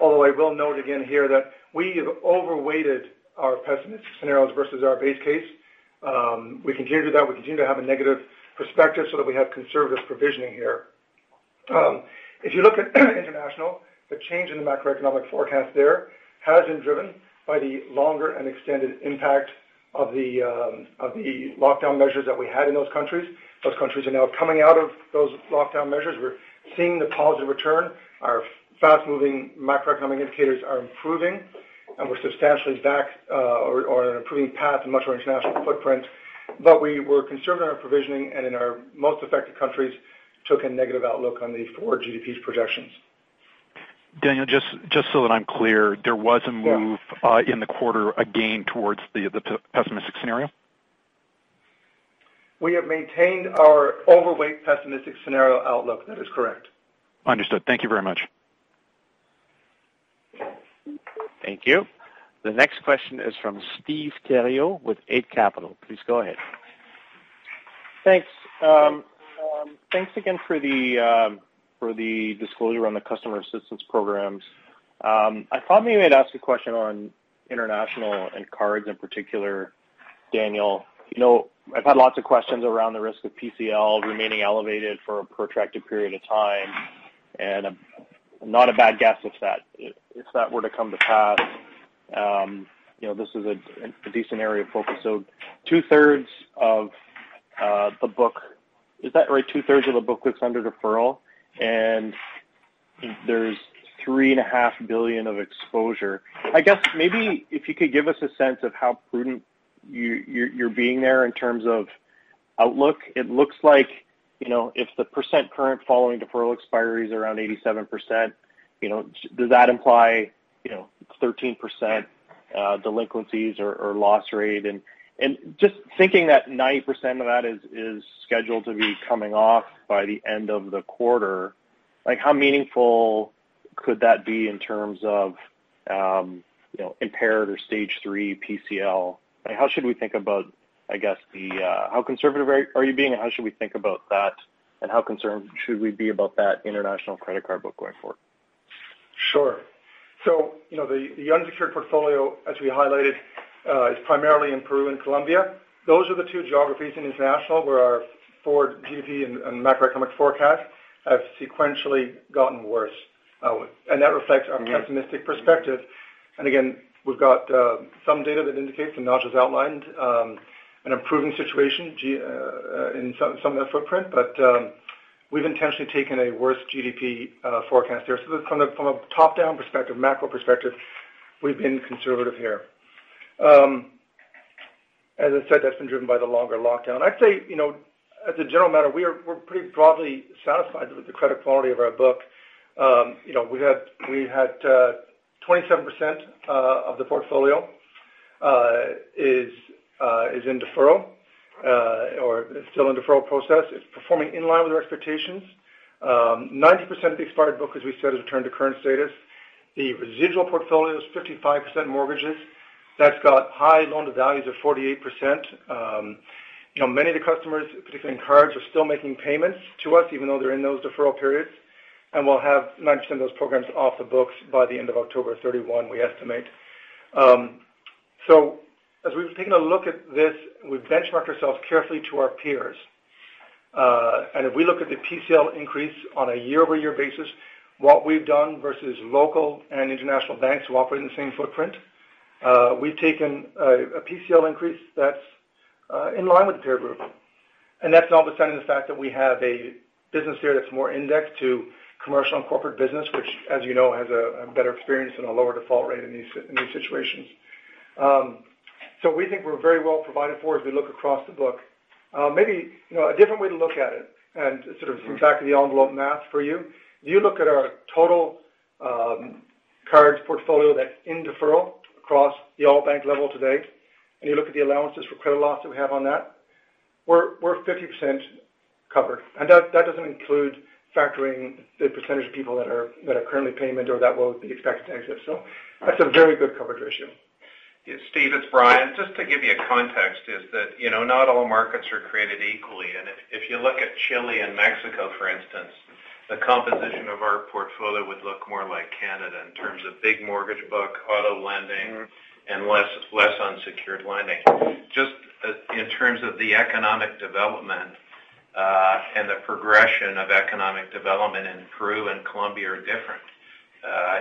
Although I will note again here that we have overweighted our pessimistic scenarios versus our base case. We continue to do that. We continue to have a negative perspective so that we have conservative provisioning here. If you look at International, the change in the macroeconomic forecast there has been driven by the longer and extended impact of the lockdown measures that we had in those countries. Those countries are now coming out of those lockdown measures. We're seeing the positive return. Our fast moving macroeconomic indicators are improving, we're substantially back or on an improving path in much of our international footprint. We were conservative in our provisioning and in our most affected countries took a negative outlook on the forward GDP projections. Daniel, just so that I'm clear, there was a move- Sure. In the quarter again towards the pessimistic scenario? We have maintained our overweight pessimistic scenario outlook. That is correct. Understood. Thank you very much. Thank you. The next question is from Steve Theriault with Eight Capital. Please go ahead. Thanks. Thanks again for the disclosure on the customer assistance programs. I thought maybe I'd ask a question on International and cards in particular, Daniel. I've had lots of questions around the risk of PCL remaining elevated for a protracted period of time, and not a bad guess if that were to come to pass this is a decent area of focus. Two thirds of the book, is that right? Two thirds of the book that's under deferral, and there's 3,500,000,000 of exposure. I guess maybe if you could give us a sense of how prudent you're being there in terms of outlook. It looks like if the percent current following deferral expiry is around 87%, does that imply 13% delinquencies or loss rate? Just thinking that 90% of that is scheduled to be coming off by the end of the quarter, how meaningful could that be in terms of impaired or Stage 3 PCL? How should we think about, I guess, how conservative are you being and how should we think about that, and how concerned should we be about that international credit card book going forward? Sure. The unsecured portfolio, as we highlighted is primarily in Peru and Colombia. Those are the two geographies in International where our forward GDP and macroeconomic forecast have sequentially gotten worse. That reflects our pessimistic perspective. Again, we've got some data that indicates, and Nacho has outlined an improving situation in some of that footprint, but we've intentionally taken a worse GDP forecast there. From a top-down perspective, macro perspective, we've been conservative here. As I said, that's been driven by the longer lockdown. I'd say, as a general matter, we're pretty broadly satisfied with the credit quality of our book. We had 27% of the portfolio is in deferral or is still in deferral process. It's performing in line with our expectations. 90% of the expired book, as we said, has returned to current status. The residual portfolio is 55% mortgages. That's got high LTVs of 48%. Many of the customers, particularly in cards, are still making payments to us even though they're in those deferral periods. We'll have 90% of those programs off the books by the end of October 31, we estimate. As we've taken a look at this, we've benchmarked ourselves carefully to our peers. If we look at the PCL increase on a year-over-year basis, what we've done versus local and international banks who operate in the same footprint, we've taken a PCL increase that's in line with the peer group. That's all despite the fact that we have a business there that's more indexed to Commercial and Corporate business, which as you know has a better experience and a lower default rate in these situations. We think we're very well provided for as we look across the book. Maybe a different way to look at it and sort of back of the envelope math for you, if you look at our total portfolio that's in deferral across the all bank level today, and you look at the Allowances for Credit Losses that we have on that, we're 50% covered. That doesn't include factoring the percentage of people that are currently payment or that will be expected to exit. That's a very good coverage ratio. Yeah, Steve, it's Brian. Just to give you a context is that not all markets are created equally. If you look at Chile and Mexico, for instance, the composition of our portfolio would look more like Canada in terms of big mortgage book, auto lending. Less unsecured lending. Just in terms of the economic development, the progression of economic development in Peru and Colombia are different.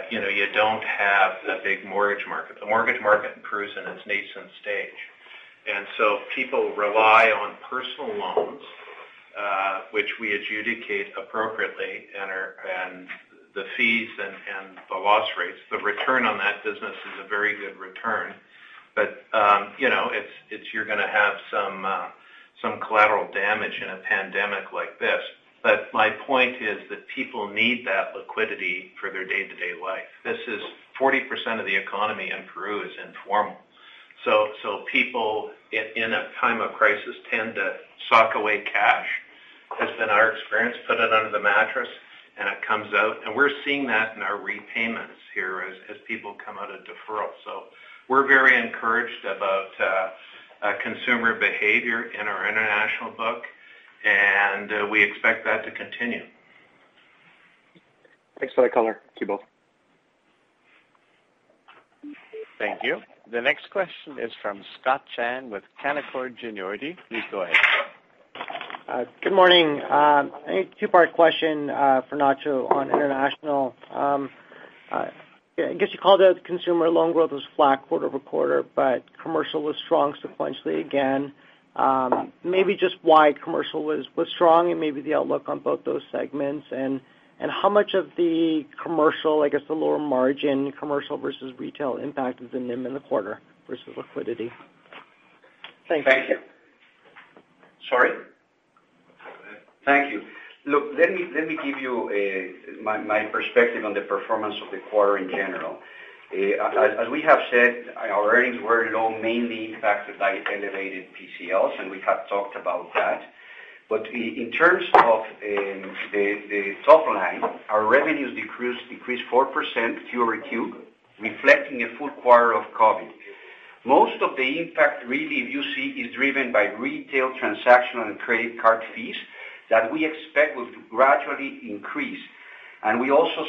You don't have a big mortgage market. The mortgage market in Peru is in its nascent stage. People rely on personal loans, which we adjudicate appropriately, and the fees and the loss rates, the return on that business is a very good return. You're going to have some collateral damage in a pandemic like this. My point is that people need that liquidity for their day-to-day life. This is 40% of the economy in Peru is informal. People in a time of crisis tend to sock away cash. Of course. has been our experience, put it under the mattress, and it comes out. We're seeing that in our repayments here as people come out of deferral. We're very encouraged about consumer behavior in our international book, and we expect that to continue. Thanks for that color. Thank you both. Thank you. The next question is from Scott Chan with Canaccord Genuity. Please go ahead. Good morning. A two-part question for Nacho on International. I guess you called out consumer loan growth was flat quarter-over-quarter, but Commercial was strong sequentially again. Maybe just why Commercial was strong and maybe the outlook on both those segments and how much of the Commercial, I guess the lower margin Commercial versus Retail impact of the NIM in the quarter versus liquidity. Thanks. Thank you. Sorry? Thank you. Let me give you my perspective on the performance of the quarter in general. As we have said, our earnings were low mainly impacted by elevated PCLs, and we have talked about that. In terms of the top line, our revenues decreased 4% quarter-over-quarter, reflecting a full quarter of COVID. Most of the impact really you see is driven by retail transactional and credit card fees that we expect will gradually increase. We also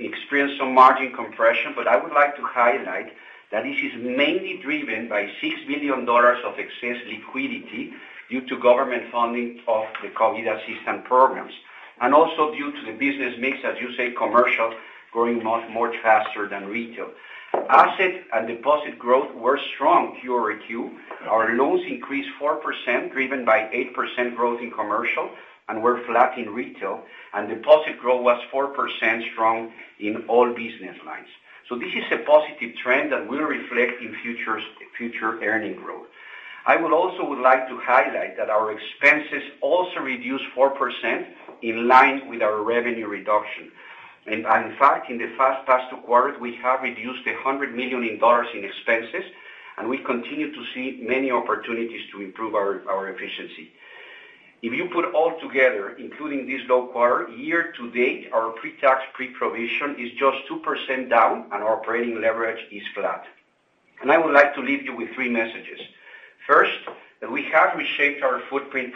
experienced some margin compression, but I would like to highlight that this is mainly driven by 6 billion dollars of excess liquidity due to government funding of the COVID assistance programs, and also due to the business mix, as you say, Commercial growing much more faster than Retail. Asset and deposit growth were strong quarter-over-quarter. Our loans increased 4%, driven by 8% growth in Commercial and were flat in Retail, and deposit growth was 4% strong in all business lines. This is a positive trend that will reflect in future earning growth. I would also like to highlight that our expenses also reduced 4% in line with our revenue reduction. In fact, in the past two quarters, we have reduced 100 million dollars in expenses, and we continue to see many opportunities to improve our efficiency. If you put all together, including this low quarter, year to date, our pre-tax, pre-provision is just 2% down and our operating leverage is flat. I would like to leave you with three messages. First, that we have reshaped our footprint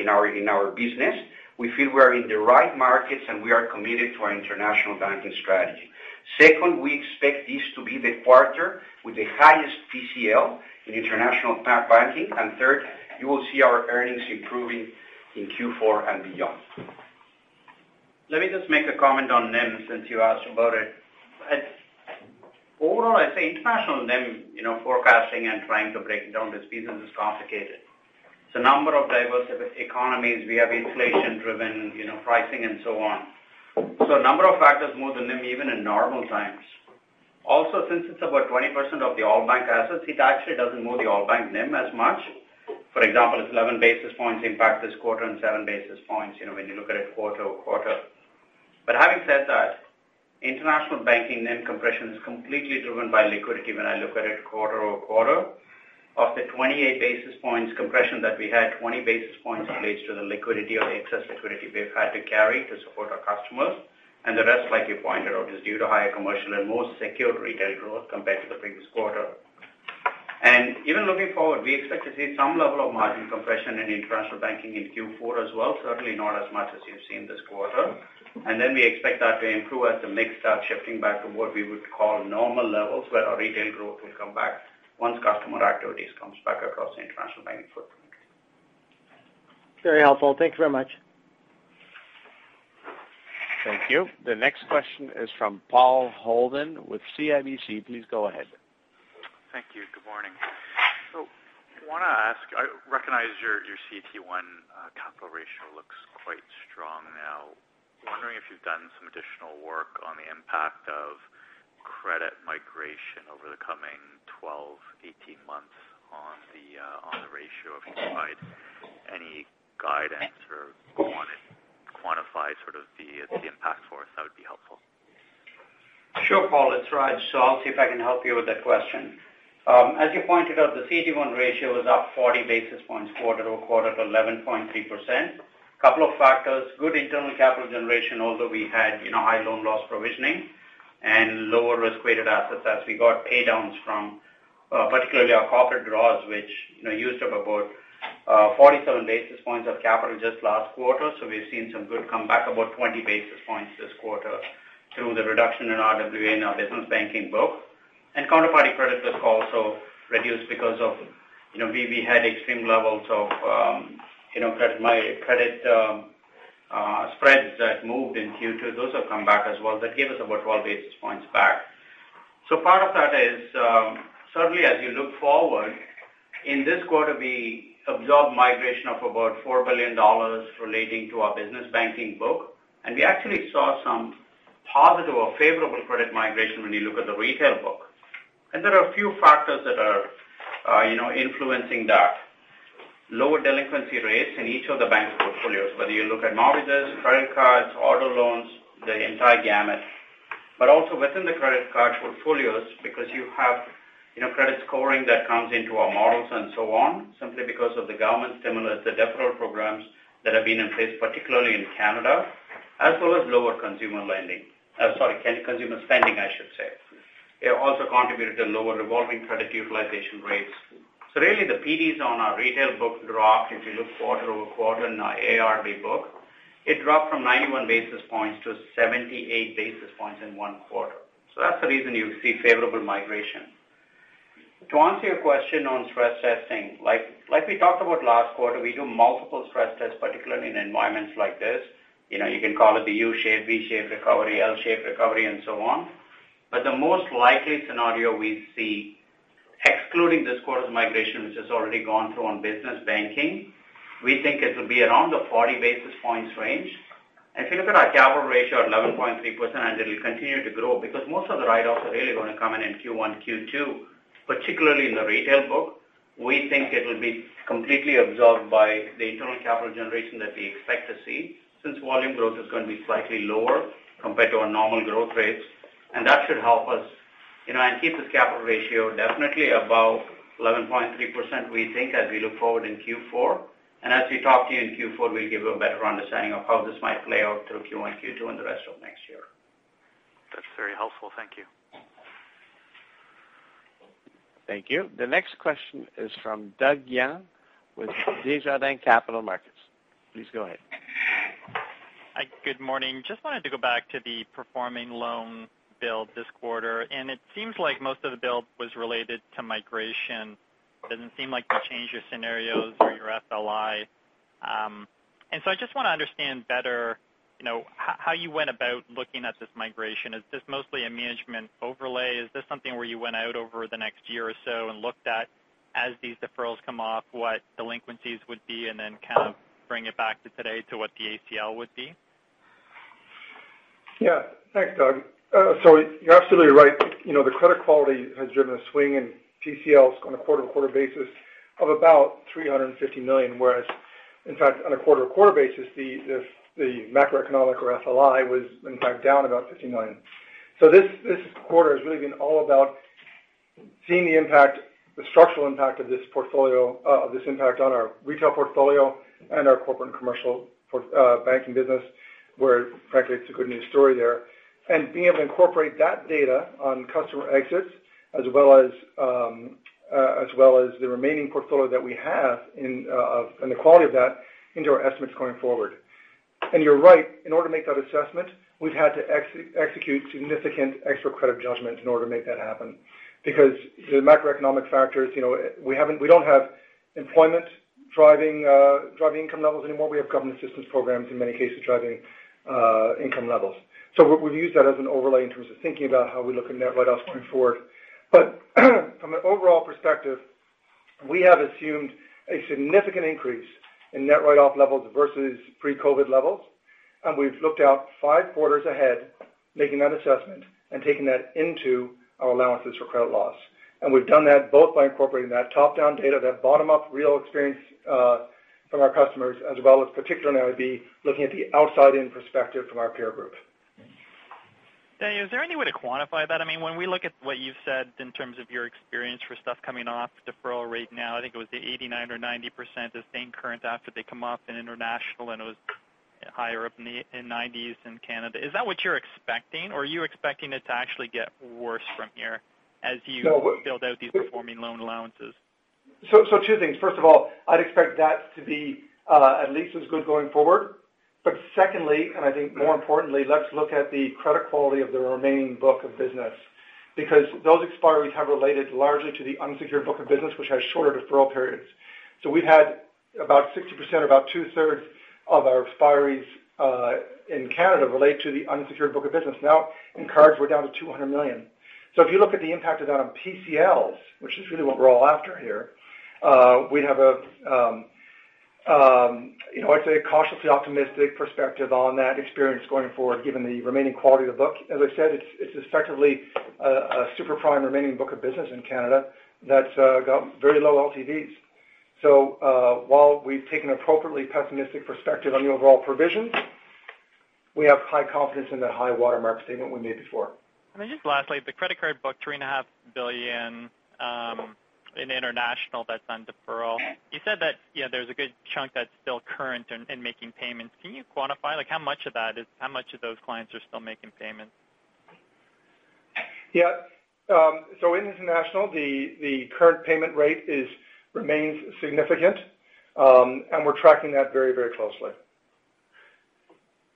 in our business. We feel we are in the right markets and we are committed to our International Banking strategy. Second, we expect this to be the quarter with the highest PCL in International Banking. Third, you will see our earnings improving in Q4 and beyond. Let me just make a comment on NIM since you asked about it. Overall, I'd say International NIM forecasting and trying to break down the pieces is complicated. Number of diverse economies, we have inflation-driven pricing and so on. A number of factors move the NIM even in normal times. Since it's about 20% of the all-bank assets, it actually doesn't move the all-bank NIM as much. For example, it's 11 basis points impact this quarter and 7 basis points when you look at it quarter-over-quarter. Having said that, International Banking NIM compression is completely driven by liquidity when I look at it quarter-over-quarter. Of the 28 basis points compression that we had, 20 basis points relates to the liquidity or excess liquidity we've had to carry to support our customers, and the rest, like you pointed out, is due to higher Commercial and more secured retail growth compared to the previous quarter. Even looking forward, we expect to see some level of margin compression in International Banking in Q4 as well, certainly not as much as you've seen this quarter. Then we expect that to improve as the mix starts shifting back to what we would call normal levels where our retail growth will come back once customer activities comes back across the International Banking footprint. Very helpful. Thank you very much. Thank you. The next question is from Paul Holden with CIBC. Please go ahead. Thank you. Good morning. I want to ask, I recognize your CET1 capital ratio looks quite strong now. I'm wondering if you've done some additional work on the impact of credit migration over the coming 12 months, 18 months on the ratio, if you can provide any guidance or quantify the impact for us, that would be helpful. Sure, Paul. It's Raj. I'll see if I can help you with that question. As you pointed out, the CET1 ratio is up 40 basis points quarter-over-quarter to 11.3%. Couple of factors, good internal capital generation, although we had high loan loss provisioning and lower risk-weighted assets as we got pay-downs from particularly our corporate draws which used up about 47 basis points of capital just last quarter. We've seen some good comeback, about 20 basis points this quarter through the reduction in RWA in our business banking book. Counterparty credit risk also reduced because we had extreme levels of credit spreads that moved in Q2. Those have come back as well. That gave us about 12 basis points back. Part of that is certainly as you look forward, in this quarter we absorbed migration of about 4 billion dollars relating to our business banking book, and we actually saw some positive or favorable credit migration when you look at the retail book. There are a few factors that are influencing that. Lower delinquency rates in each of the bank's portfolios, whether you look at mortgages, credit cards, auto loans, the entire gamut. Also within the credit card portfolios, because you have credit scoring that comes into our models and so on, simply because of the government stimulus, the deferral programs that have been in place, particularly in Canada, as well as lower consumer lending. Sorry, consumer spending, I should say. It also contributed to lower revolving credit utilization rates. Really the PDs on our retail book dropped. If you look quarter-over-quarter in our AIRB book, it dropped from 91 basis points to 78 basis points in one quarter. That's the reason you see favorable migration. To answer your question on stress testing, like we talked about last quarter, we do multiple stress tests, particularly in environments like this. You can call it the U-shaped, V-shaped recovery, L-shaped recovery, and so on. The most likely scenario we see, excluding this quarter's migration, which has already gone through on business banking, we think it'll be around the 40 basis points range. If you look at our capital ratio at 11.3%, and it'll continue to grow because most of the write-offs are really going to come in in Q1, Q2, particularly in the retail book. We think it'll be completely absorbed by the internal capital generation that we expect to see, since volume growth is going to be slightly lower compared to our normal growth rates, and that should help us and keep this capital ratio definitely above 11.3%, we think, as we look forward in Q4. As we talk to you in Q4, we'll give you a better understanding of how this might play out through Q1, Q2, and the rest of next year. That's very helpful. Thank you. Thank you. The next question is from Doug Young with Desjardins Capital Markets. Please go ahead. Hi, good morning. Just wanted to go back to the performing loan build this quarter. It seems like most of the build was related to migration. Doesn't seem like you changed your scenarios or your FLI. I just want to understand better how you went about looking at this migration. Is this mostly a management overlay? Is this something where you went out over the next year or so and looked at, as these deferrals come off, what delinquencies would be, and then kind of bring it back to today to what the ACL would be? Yeah. Thanks, Doug. You're absolutely right. The credit quality has driven a swing in PCLs on a quarter-over-quarter basis of about 350 million, whereas in fact, on a quarter-over-quarter basis, the macroeconomic or FLI was in fact down about 50 million. This quarter has really been all about seeing the structural impact of this impact on our retail portfolio and our corporate and commercial banking business, where frankly, it's a good news story there, and being able to incorporate that data on customer exits as well as the remaining portfolio that we have, and the quality of that into our estimates going forward. You're right. In order to make that assessment, we've had to execute significant extra credit judgments in order to make that happen because the macroeconomic factors, we don't have employment driving income levels anymore. We have government assistance programs in many cases driving income levels. We've used that as an overlay in terms of thinking about how we look at net write-offs going forward. From an overall perspective, we have assumed a significant increase in net write-off levels versus pre-COVID levels, and we've looked out five quarters ahead making that assessment and taking that into our allowances for credit loss. We've done that both by incorporating that top-down data, that bottom-up real experience from our customers as well as particularly now would be looking at the outside-in perspective from our peer group. Is there any way to quantify that? When we look at what you've said in terms of your experience for stuff coming off deferral right now, I think it was the 89% or 90% is staying current after they come off in International, and it was higher up in the 90s in Canada. Is that what you're expecting or are you expecting it to actually get worse from here as you build out these performing loan allowances? Two things. First of all, I'd expect that to be at least as good going forward. Secondly, and I think more importantly, let's look at the credit quality of the remaining book of business because those expiries have related largely to the unsecured book of business, which has shorter deferral periods. We've had about 60%, about 2/3 of our expiries in Canada relate to the unsecured book of business. In cards, we're down to 200 million. If you look at the impact of that on PCLs, which is really what we're all after here, we have a cautiously optimistic perspective on that experience going forward given the remaining quality of the book. As I said, it's effectively a super prime remaining book of business in Canada that's got very low LTVs. While we've taken an appropriately pessimistic perspective on the overall provisions, we have high confidence in that high watermark statement we made before. Then just lastly, the credit card book, 3.5 billion in International that's on deferral. You said that there's a good chunk that's still current and making payments. Can you quantify how much of those clients are still making payments? Yeah. In International, the current payment rate remains significant. We're tracking that very closely.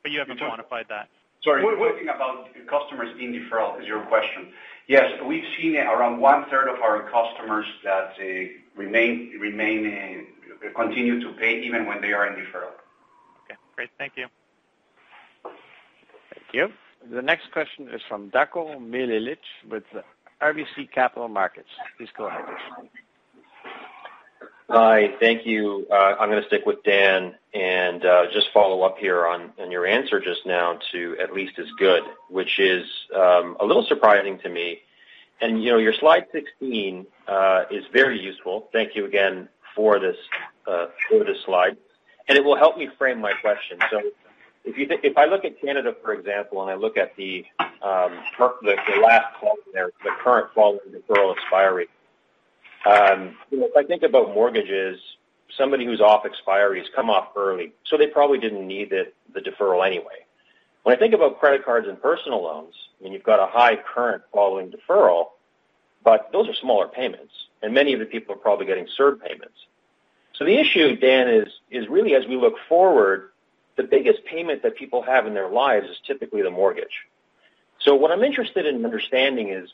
You haven't quantified that. Sorry. We're talking about customers in deferral is your question? Yes. We've seen around 1/3 of our customers that continue to pay even when they are in deferral. Okay, great. Thank you. Thank you. The next question is from Darko Mihelic with RBC Capital Markets. Please go ahead. Hi, thank you. I'm going to stick with Dan and just follow up here on your answer just now to at least as good, which is a little surprising to me. Your slide 16 is very useful. Thank you again for this slide. It will help me frame my question. If I look at Canada, for example, and I look at the last column there, the current following deferral expiry. If I think about mortgages, somebody who's off expiry has come off early, so they probably didn't need the deferral anyway. When I think about credit cards and personal loans, and you've got a high current following deferral, but those are smaller payments, and many of the people are probably getting CERB payments. The issue, Dan, is really as we look forward, the biggest payment that people have in their lives is typically the mortgage. What I'm interested in understanding is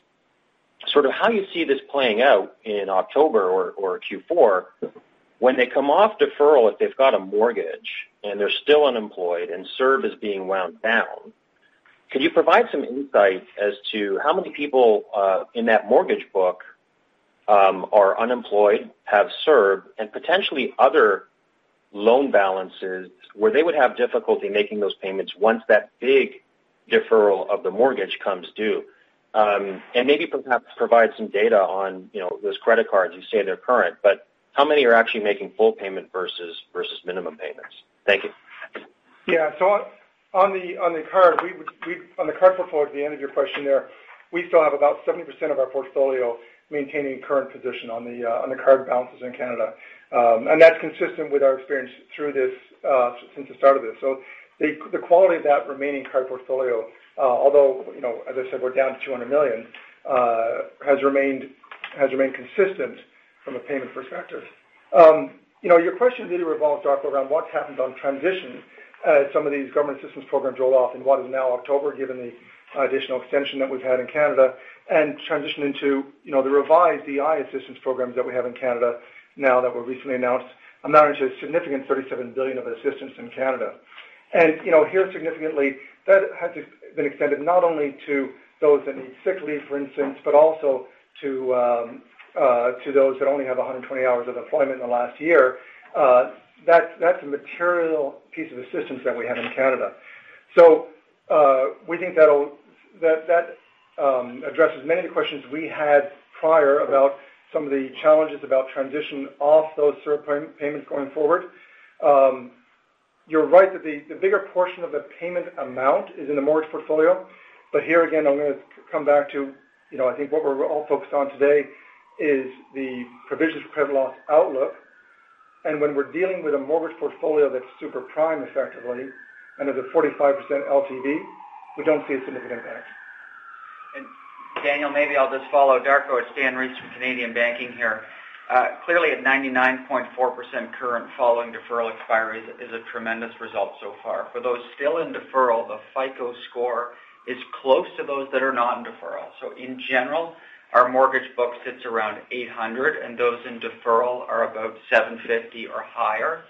sort of how you see this playing out in October or Q4 when they come off deferral if they've got a mortgage and they're still unemployed and CERB is being wound down. Could you provide some insight as to how many people in that mortgage book are unemployed, have CERB, and potentially other loan balances where they would have difficulty making those payments once that big deferral of the mortgage comes due? Maybe perhaps provide some data on those credit cards. You say they're current, but how many are actually making full payment versus minimum payments? Thank you. Yeah. On the card portfolio, at the end of your question there, we still have about 70% of our portfolio maintaining current position on the card balances in Canada. That's consistent with our experience since the start of this. The quality of that remaining card portfolio, although, as I said, we're down to 200 million has remained consistent from a payment perspective. Your question really revolves, Darko, around what's happened on transition as some of these government assistance programs roll off in what is now October, given the additional extension that we've had in Canada and transition into the revised EI assistance programs that we have in Canada now that were recently announced, amounting to a significant 37 billion of assistance in Canada. Here significantly, that has been extended not only to those that need sick leave, for instance, but also to those that only have 120 hours of employment in the last year. That's a material piece of assistance that we have in Canada. We think that addresses many of the questions we had prior about some of the challenges about transition off those CERB payments going forward. You're right that the bigger portion of the payment amount is in the mortgage portfolio. Here again, I'm going to come back to I think what we're all focused on today is the provisions for credit loss outlook. When we're dealing with a mortgage portfolio that's super prime effectively and is at 45% LTV, we don't see a significant impact. Daniel, maybe I'll just follow Darko Mihelic. It's Dan Rees from Canadian Banking here. Clearly at 99.4% current following deferral expiry is a tremendous result so far. For those still in deferral, the FICO score is close to those that are not in deferral. In general, our mortgage book sits around 800, and those in deferral are about 750 or higher.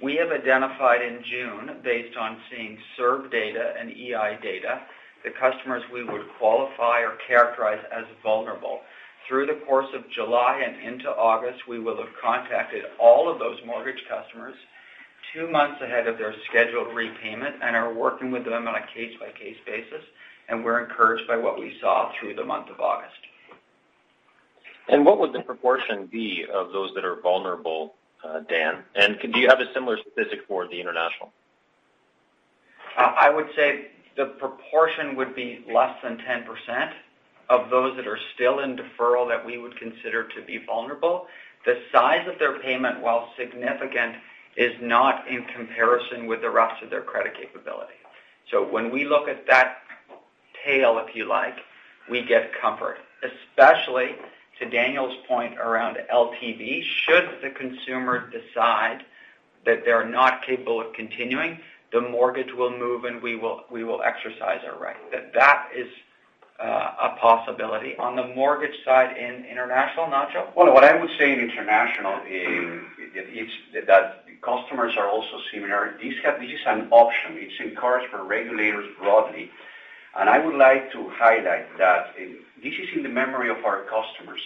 We have identified in June, based on seeing CERB data and EI data, the customers we would qualify or characterize as vulnerable. Through the course of July and into August, we will have contacted all of those mortgage customers two months ahead of their scheduled repayment and are working with them on a case-by-case basis, and we're encouraged by what we saw through the month of August. What would the proportion be of those that are vulnerable, Dan? Do you have a similar statistic for the International? I would say the proportion would be less than 10% of those that are still in deferral that we would consider to be vulnerable. The size of their payment, while significant, is not in comparison with the rest of their credit capability. When we look at that tail, if you like, we get comfort. Especially to Daniel's point around LTV, should the consumer decide that they're not capable of continuing, the mortgage will move, and we will exercise our right. That is a possibility. On the mortgage side in international, Nacho? Well, what I would say in international is that customers are also similar. This is an option. It's encouraged for regulators broadly. I would like to highlight that this is in the memory of our customers.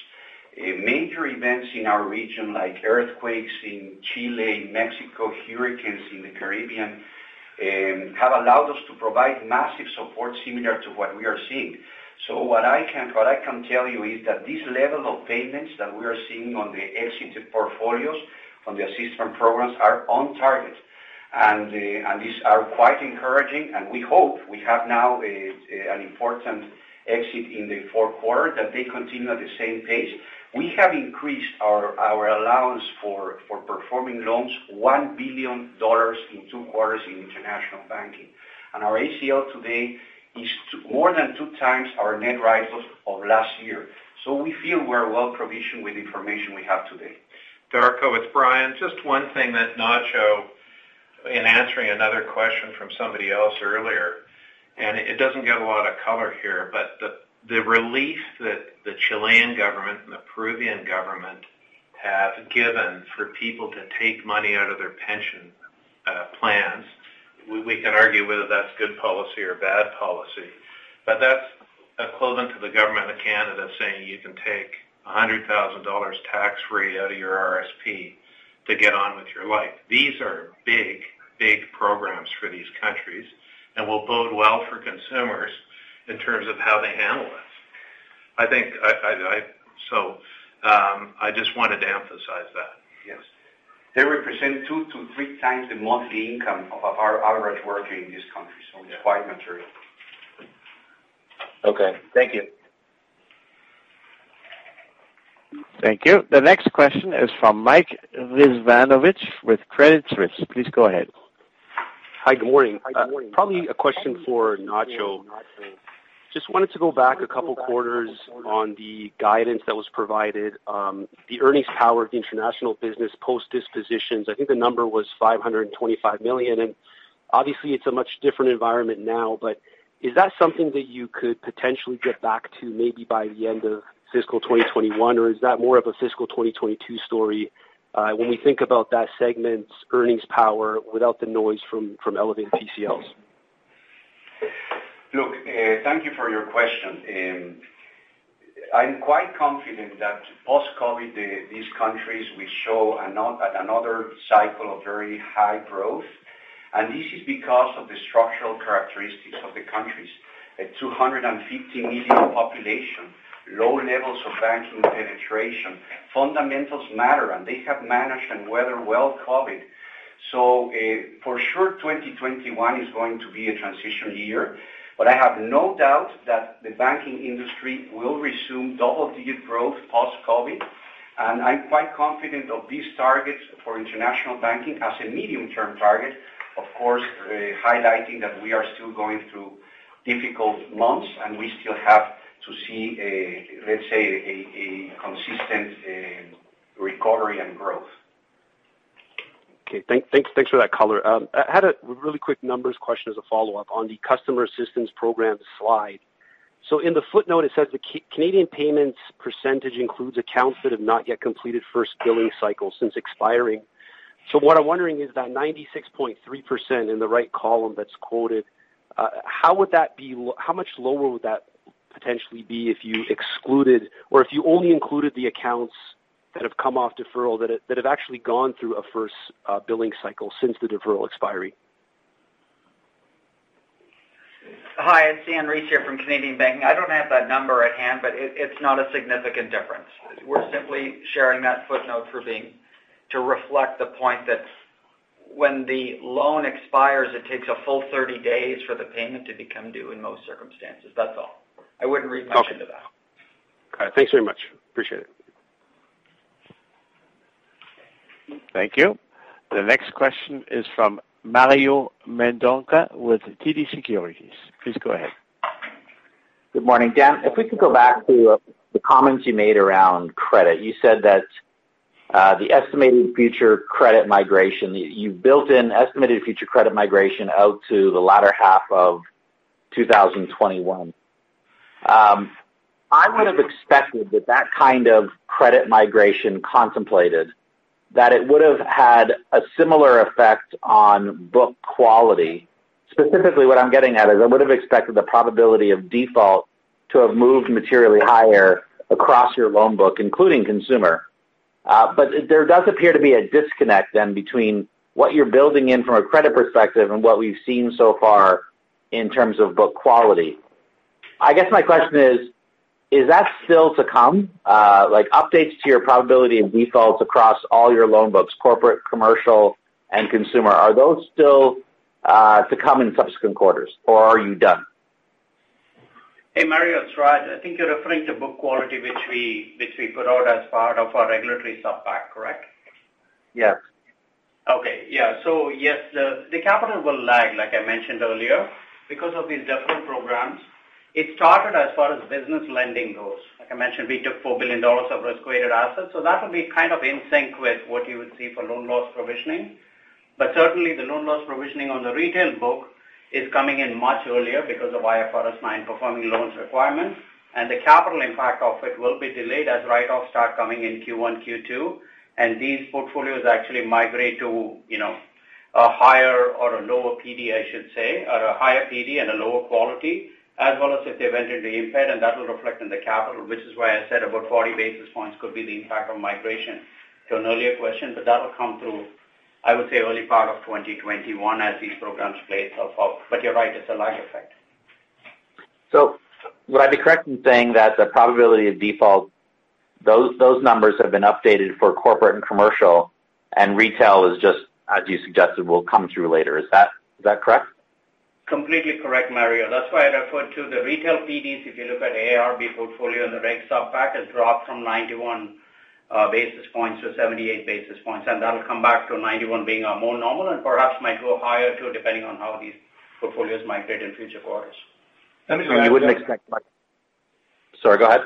Major events in our region like earthquakes in Chile, in Mexico, hurricanes in the Caribbean and have allowed us to provide massive support similar to what we are seeing. What I can tell you is that this level of payments that we are seeing on the exited portfolios from the assistance programs are on target, and these are quite encouraging, and we hope we have now an important exit in the fourth quarter, that they continue at the same pace. We have increased our allowance for performing loans 1 billion dollars in two quarters in International Banking. Our ACL today is more than 2x our net write-offs of last year. We feel we're well-provisioned with the information we have today. Darko, it's Brian. Just one thing that Nacho, in answering another question from somebody else earlier, it doesn't get a lot of color here, but the relief that the Chilean government and the Peruvian government have given for people to take money out of their pension plans, we can argue whether that's good policy or bad policy. That's equivalent to the Government of Canada saying you can take 100,000 dollars tax-free out of your RSP to get on with your life. These are big programs for these countries and will bode well for consumers in terms of how they handle this. I just wanted to emphasize that. Yes. They represent two to three times the monthly income of our average worker in this country, so it's quite material. Okay. Thank you. Thank you. The next question is from Mike Rizvanovic with Credit Suisse. Please go ahead. Hi, good morning. Probably a question for Nacho. Just wanted to go back a couple quarters on the guidance that was provided, the earnings power of the international business post dispositions. I think the number was 525 million, and obviously it's a much different environment now, but is that something that you could potentially get back to maybe by the end of fiscal 2021? Or is that more of a fiscal 2022 story? When we think about that segment's earnings power without the noise from elevated PCLs. Look, thank you for your question. I'm quite confident that post-COVID, these countries will show another cycle of very high growth. This is because of the structural characteristics of the countries. A 250 million population, low levels of banking penetration. Fundamentals matter, and they have managed and weathered well COVID. For sure 2021 is going to be a transition year, but I have no doubt that the banking industry will resume double-digit growth post-COVID, and I'm quite confident of these targets for International Banking as a medium-term target. Of course, highlighting that we are still going through difficult months, and we still have to see a consistent recovery and growth. Okay, thanks for that color. I had a really quick numbers question as a follow-up on the customer assistance program slide. In the footnote, it says the Canadian payments percentage includes accounts that have not yet completed first billing cycle since expiring. What I'm wondering is that 96.3% in the right column that's quoted, how much lower would that potentially be if you excluded or if you only included the accounts that have come off deferral that have actually gone through a first billing cycle since the deferral expiry? Hi, it's Dan Rees here from Canadian Banking. I don't have that number at hand, but it's not a significant difference. We're simply sharing that footnote to reflect the point that when the loan expires, it takes a full 30 days for the payment to become due in most circumstances. That's all. I wouldn't read much into that. Okay. Thanks very much. Appreciate it. Thank you. The next question is from Mario Mendonca with TD Securities. Please go ahead. Good morning. Dan, if we could go back to the comments you made around credit. You said that the estimated future credit migration, you built in estimated future credit migration out to the latter half of 2021. I would have expected that kind of credit migration contemplated that it would have had a similar effect on book quality. Specifically, what I'm getting at is I would have expected the Probability of Default to have moved materially higher across your loan book, including consumer. There does appear to be a disconnect then between what you're building in from a credit perspective and what we've seen so far in terms of book quality. I guess my question is that still to come? Like updates to your probability of defaults across all your loan books, corporate, commercial, and consumer, are those still to come in subsequent quarters, or are you done? Hey, Mario. It's Raj. I think you're referring to book quality, which we put out as part of our regulatory supplemental package, correct? Yes. Okay. Yeah. So yes, the capital will lag, like I mentioned earlier, because of these different programs. It started as far as business lending goes. Like I mentioned, we took 4 billion dollars of risk-weighted assets. That will be kind of in sync with what you would see for loan loss provisioning. Certainly the loan loss provisioning on the retail book is coming in much earlier because of IFRS 9 performing loans requirements, and the capital impact of it will be delayed as write-offs start coming in Q1, Q2, and these portfolios actually migrate to a higher or a lower PD, I should say, or a higher PD and a lower quality, as well as if they went into the impaired and that will reflect in the capital, which is why I said about 40 basis points could be the impact of migration to an earlier question. That'll come through, I would say, early part of 2021 as these programs play out. You're right, it's a lag effect. Would I be correct in saying that the probability of default, those numbers have been updated for corporate and commercial, and retail is just as you suggested, will come through later. Is that correct? Completely correct, Mario. That's why I referred to the retail PDs. If you look at AIRB portfolio and the Reg sub pack has dropped from 91 basis points to 78 basis points, and that'll come back to 91 being our more normal and perhaps might go higher too, depending on how these portfolios migrate in future quarters. Sorry, go ahead.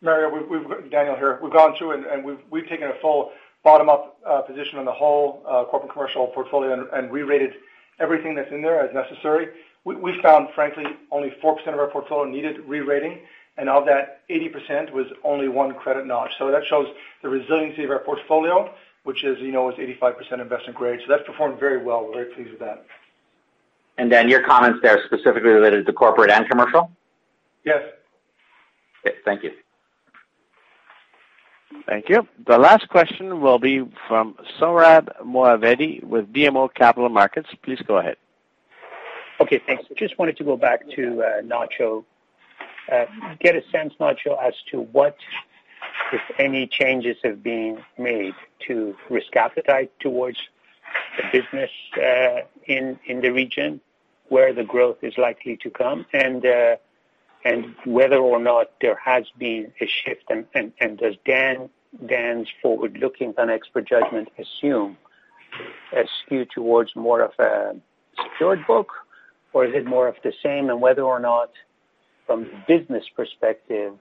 Mario, Daniel here. We've gone through and we've taken a full bottom-up position on the whole corporate commercial portfolio and rerated everything that's in there as necessary. We found, frankly, only 4% of our portfolio needed rerating, and of that, 80% was only one credit notch. That shows the resiliency of our portfolio, which as you know is 85% investment grade. That's performed very well. We're very pleased with that. Dan, your comments there are specifically related to Corporate and Commercial? Yes. Okay. Thank you. Thank you. The last question will be from Sohrab Movahedi with BMO Capital Markets. Please go ahead. Okay, thanks. Just wanted to go back to Nacho. Get a sense, Nacho, as to what, if any, changes have been made to risk appetite towards the business in the region where the growth is likely to come, and whether or not there has been a shift. Does Dan's forward-looking on expert judgment skew towards more of a secured book? Is it more of the same on whether or not from business perspective,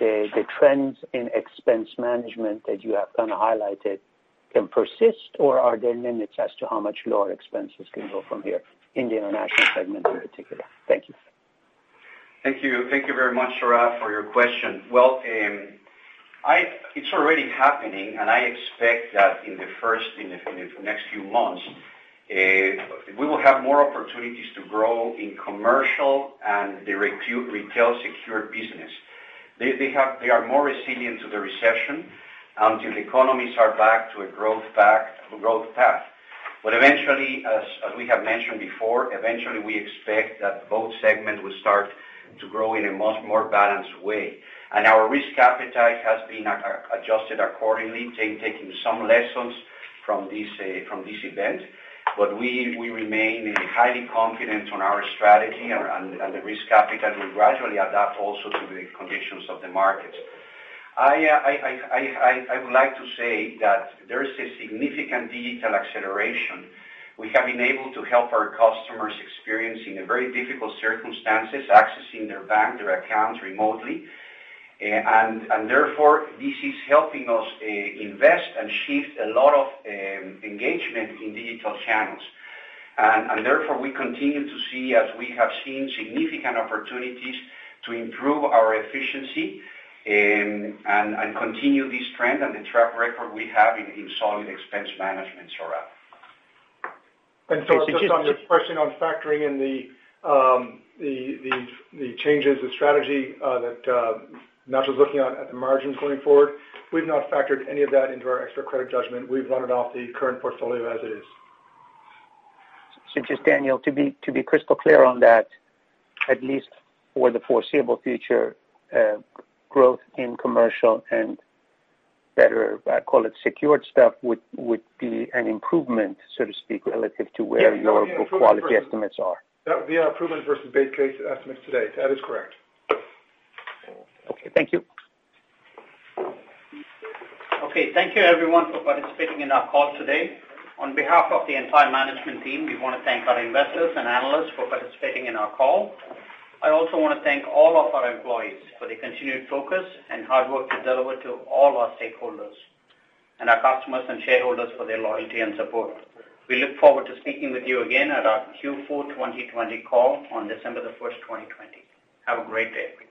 the trends in expense management that you have kind of highlighted can persist? Are there limits as to how much lower expenses can go from here in the international segment in particular? Thank you. Thank you. Thank you very much, Sohrab, for your question. Well, it's already happening. I expect that in the next few months, we will have more opportunities to grow in commercial and the retail secured business. They are more resilient to the recession until economies are back to a growth path. Eventually, as we have mentioned before, eventually we expect that both segments will start to grow in a much more balanced way. Our risk appetite has been adjusted accordingly, taking some lessons from this event. We remain highly confident on our strategy and the risk appetite will gradually adapt also to the conditions of the market. I would like to say that there is a significant digital acceleration. We have been able to help our customers experiencing very difficult circumstances, accessing their bank, their accounts remotely. Therefore, this is helping us invest and shift a lot of engagement in digital channels. Therefore, we continue to see, as we have seen, significant opportunities to improve our efficiency and continue this trend and the track record we have in solid expense management, Sohrab. Sohrab, just on your question on factoring in the changes, the strategy that Nacho's looking at the margins going forward, we've not factored any of that into our expected credit judgment. We've run it off the current portfolio as it is. Just Daniel, to be crystal clear on that, at least for the foreseeable future, growth in commercial and better, I call it secured stuff would be an improvement, so to speak, relative to where your quality estimates are. That would be an improvement versus base case estimates today. That is correct. Okay. Thank you. Okay, thank you everyone for participating in our call today. On behalf of the entire management team, we want to thank our investors and analysts for participating in our call. I also want to thank all of our employees for the continued focus and hard work you deliver to all our stakeholders, and our customers and shareholders for their loyalty and support. We look forward to speaking with you again at our Q4 2020 call on December 1st, 2020. Have a great day. Thank you.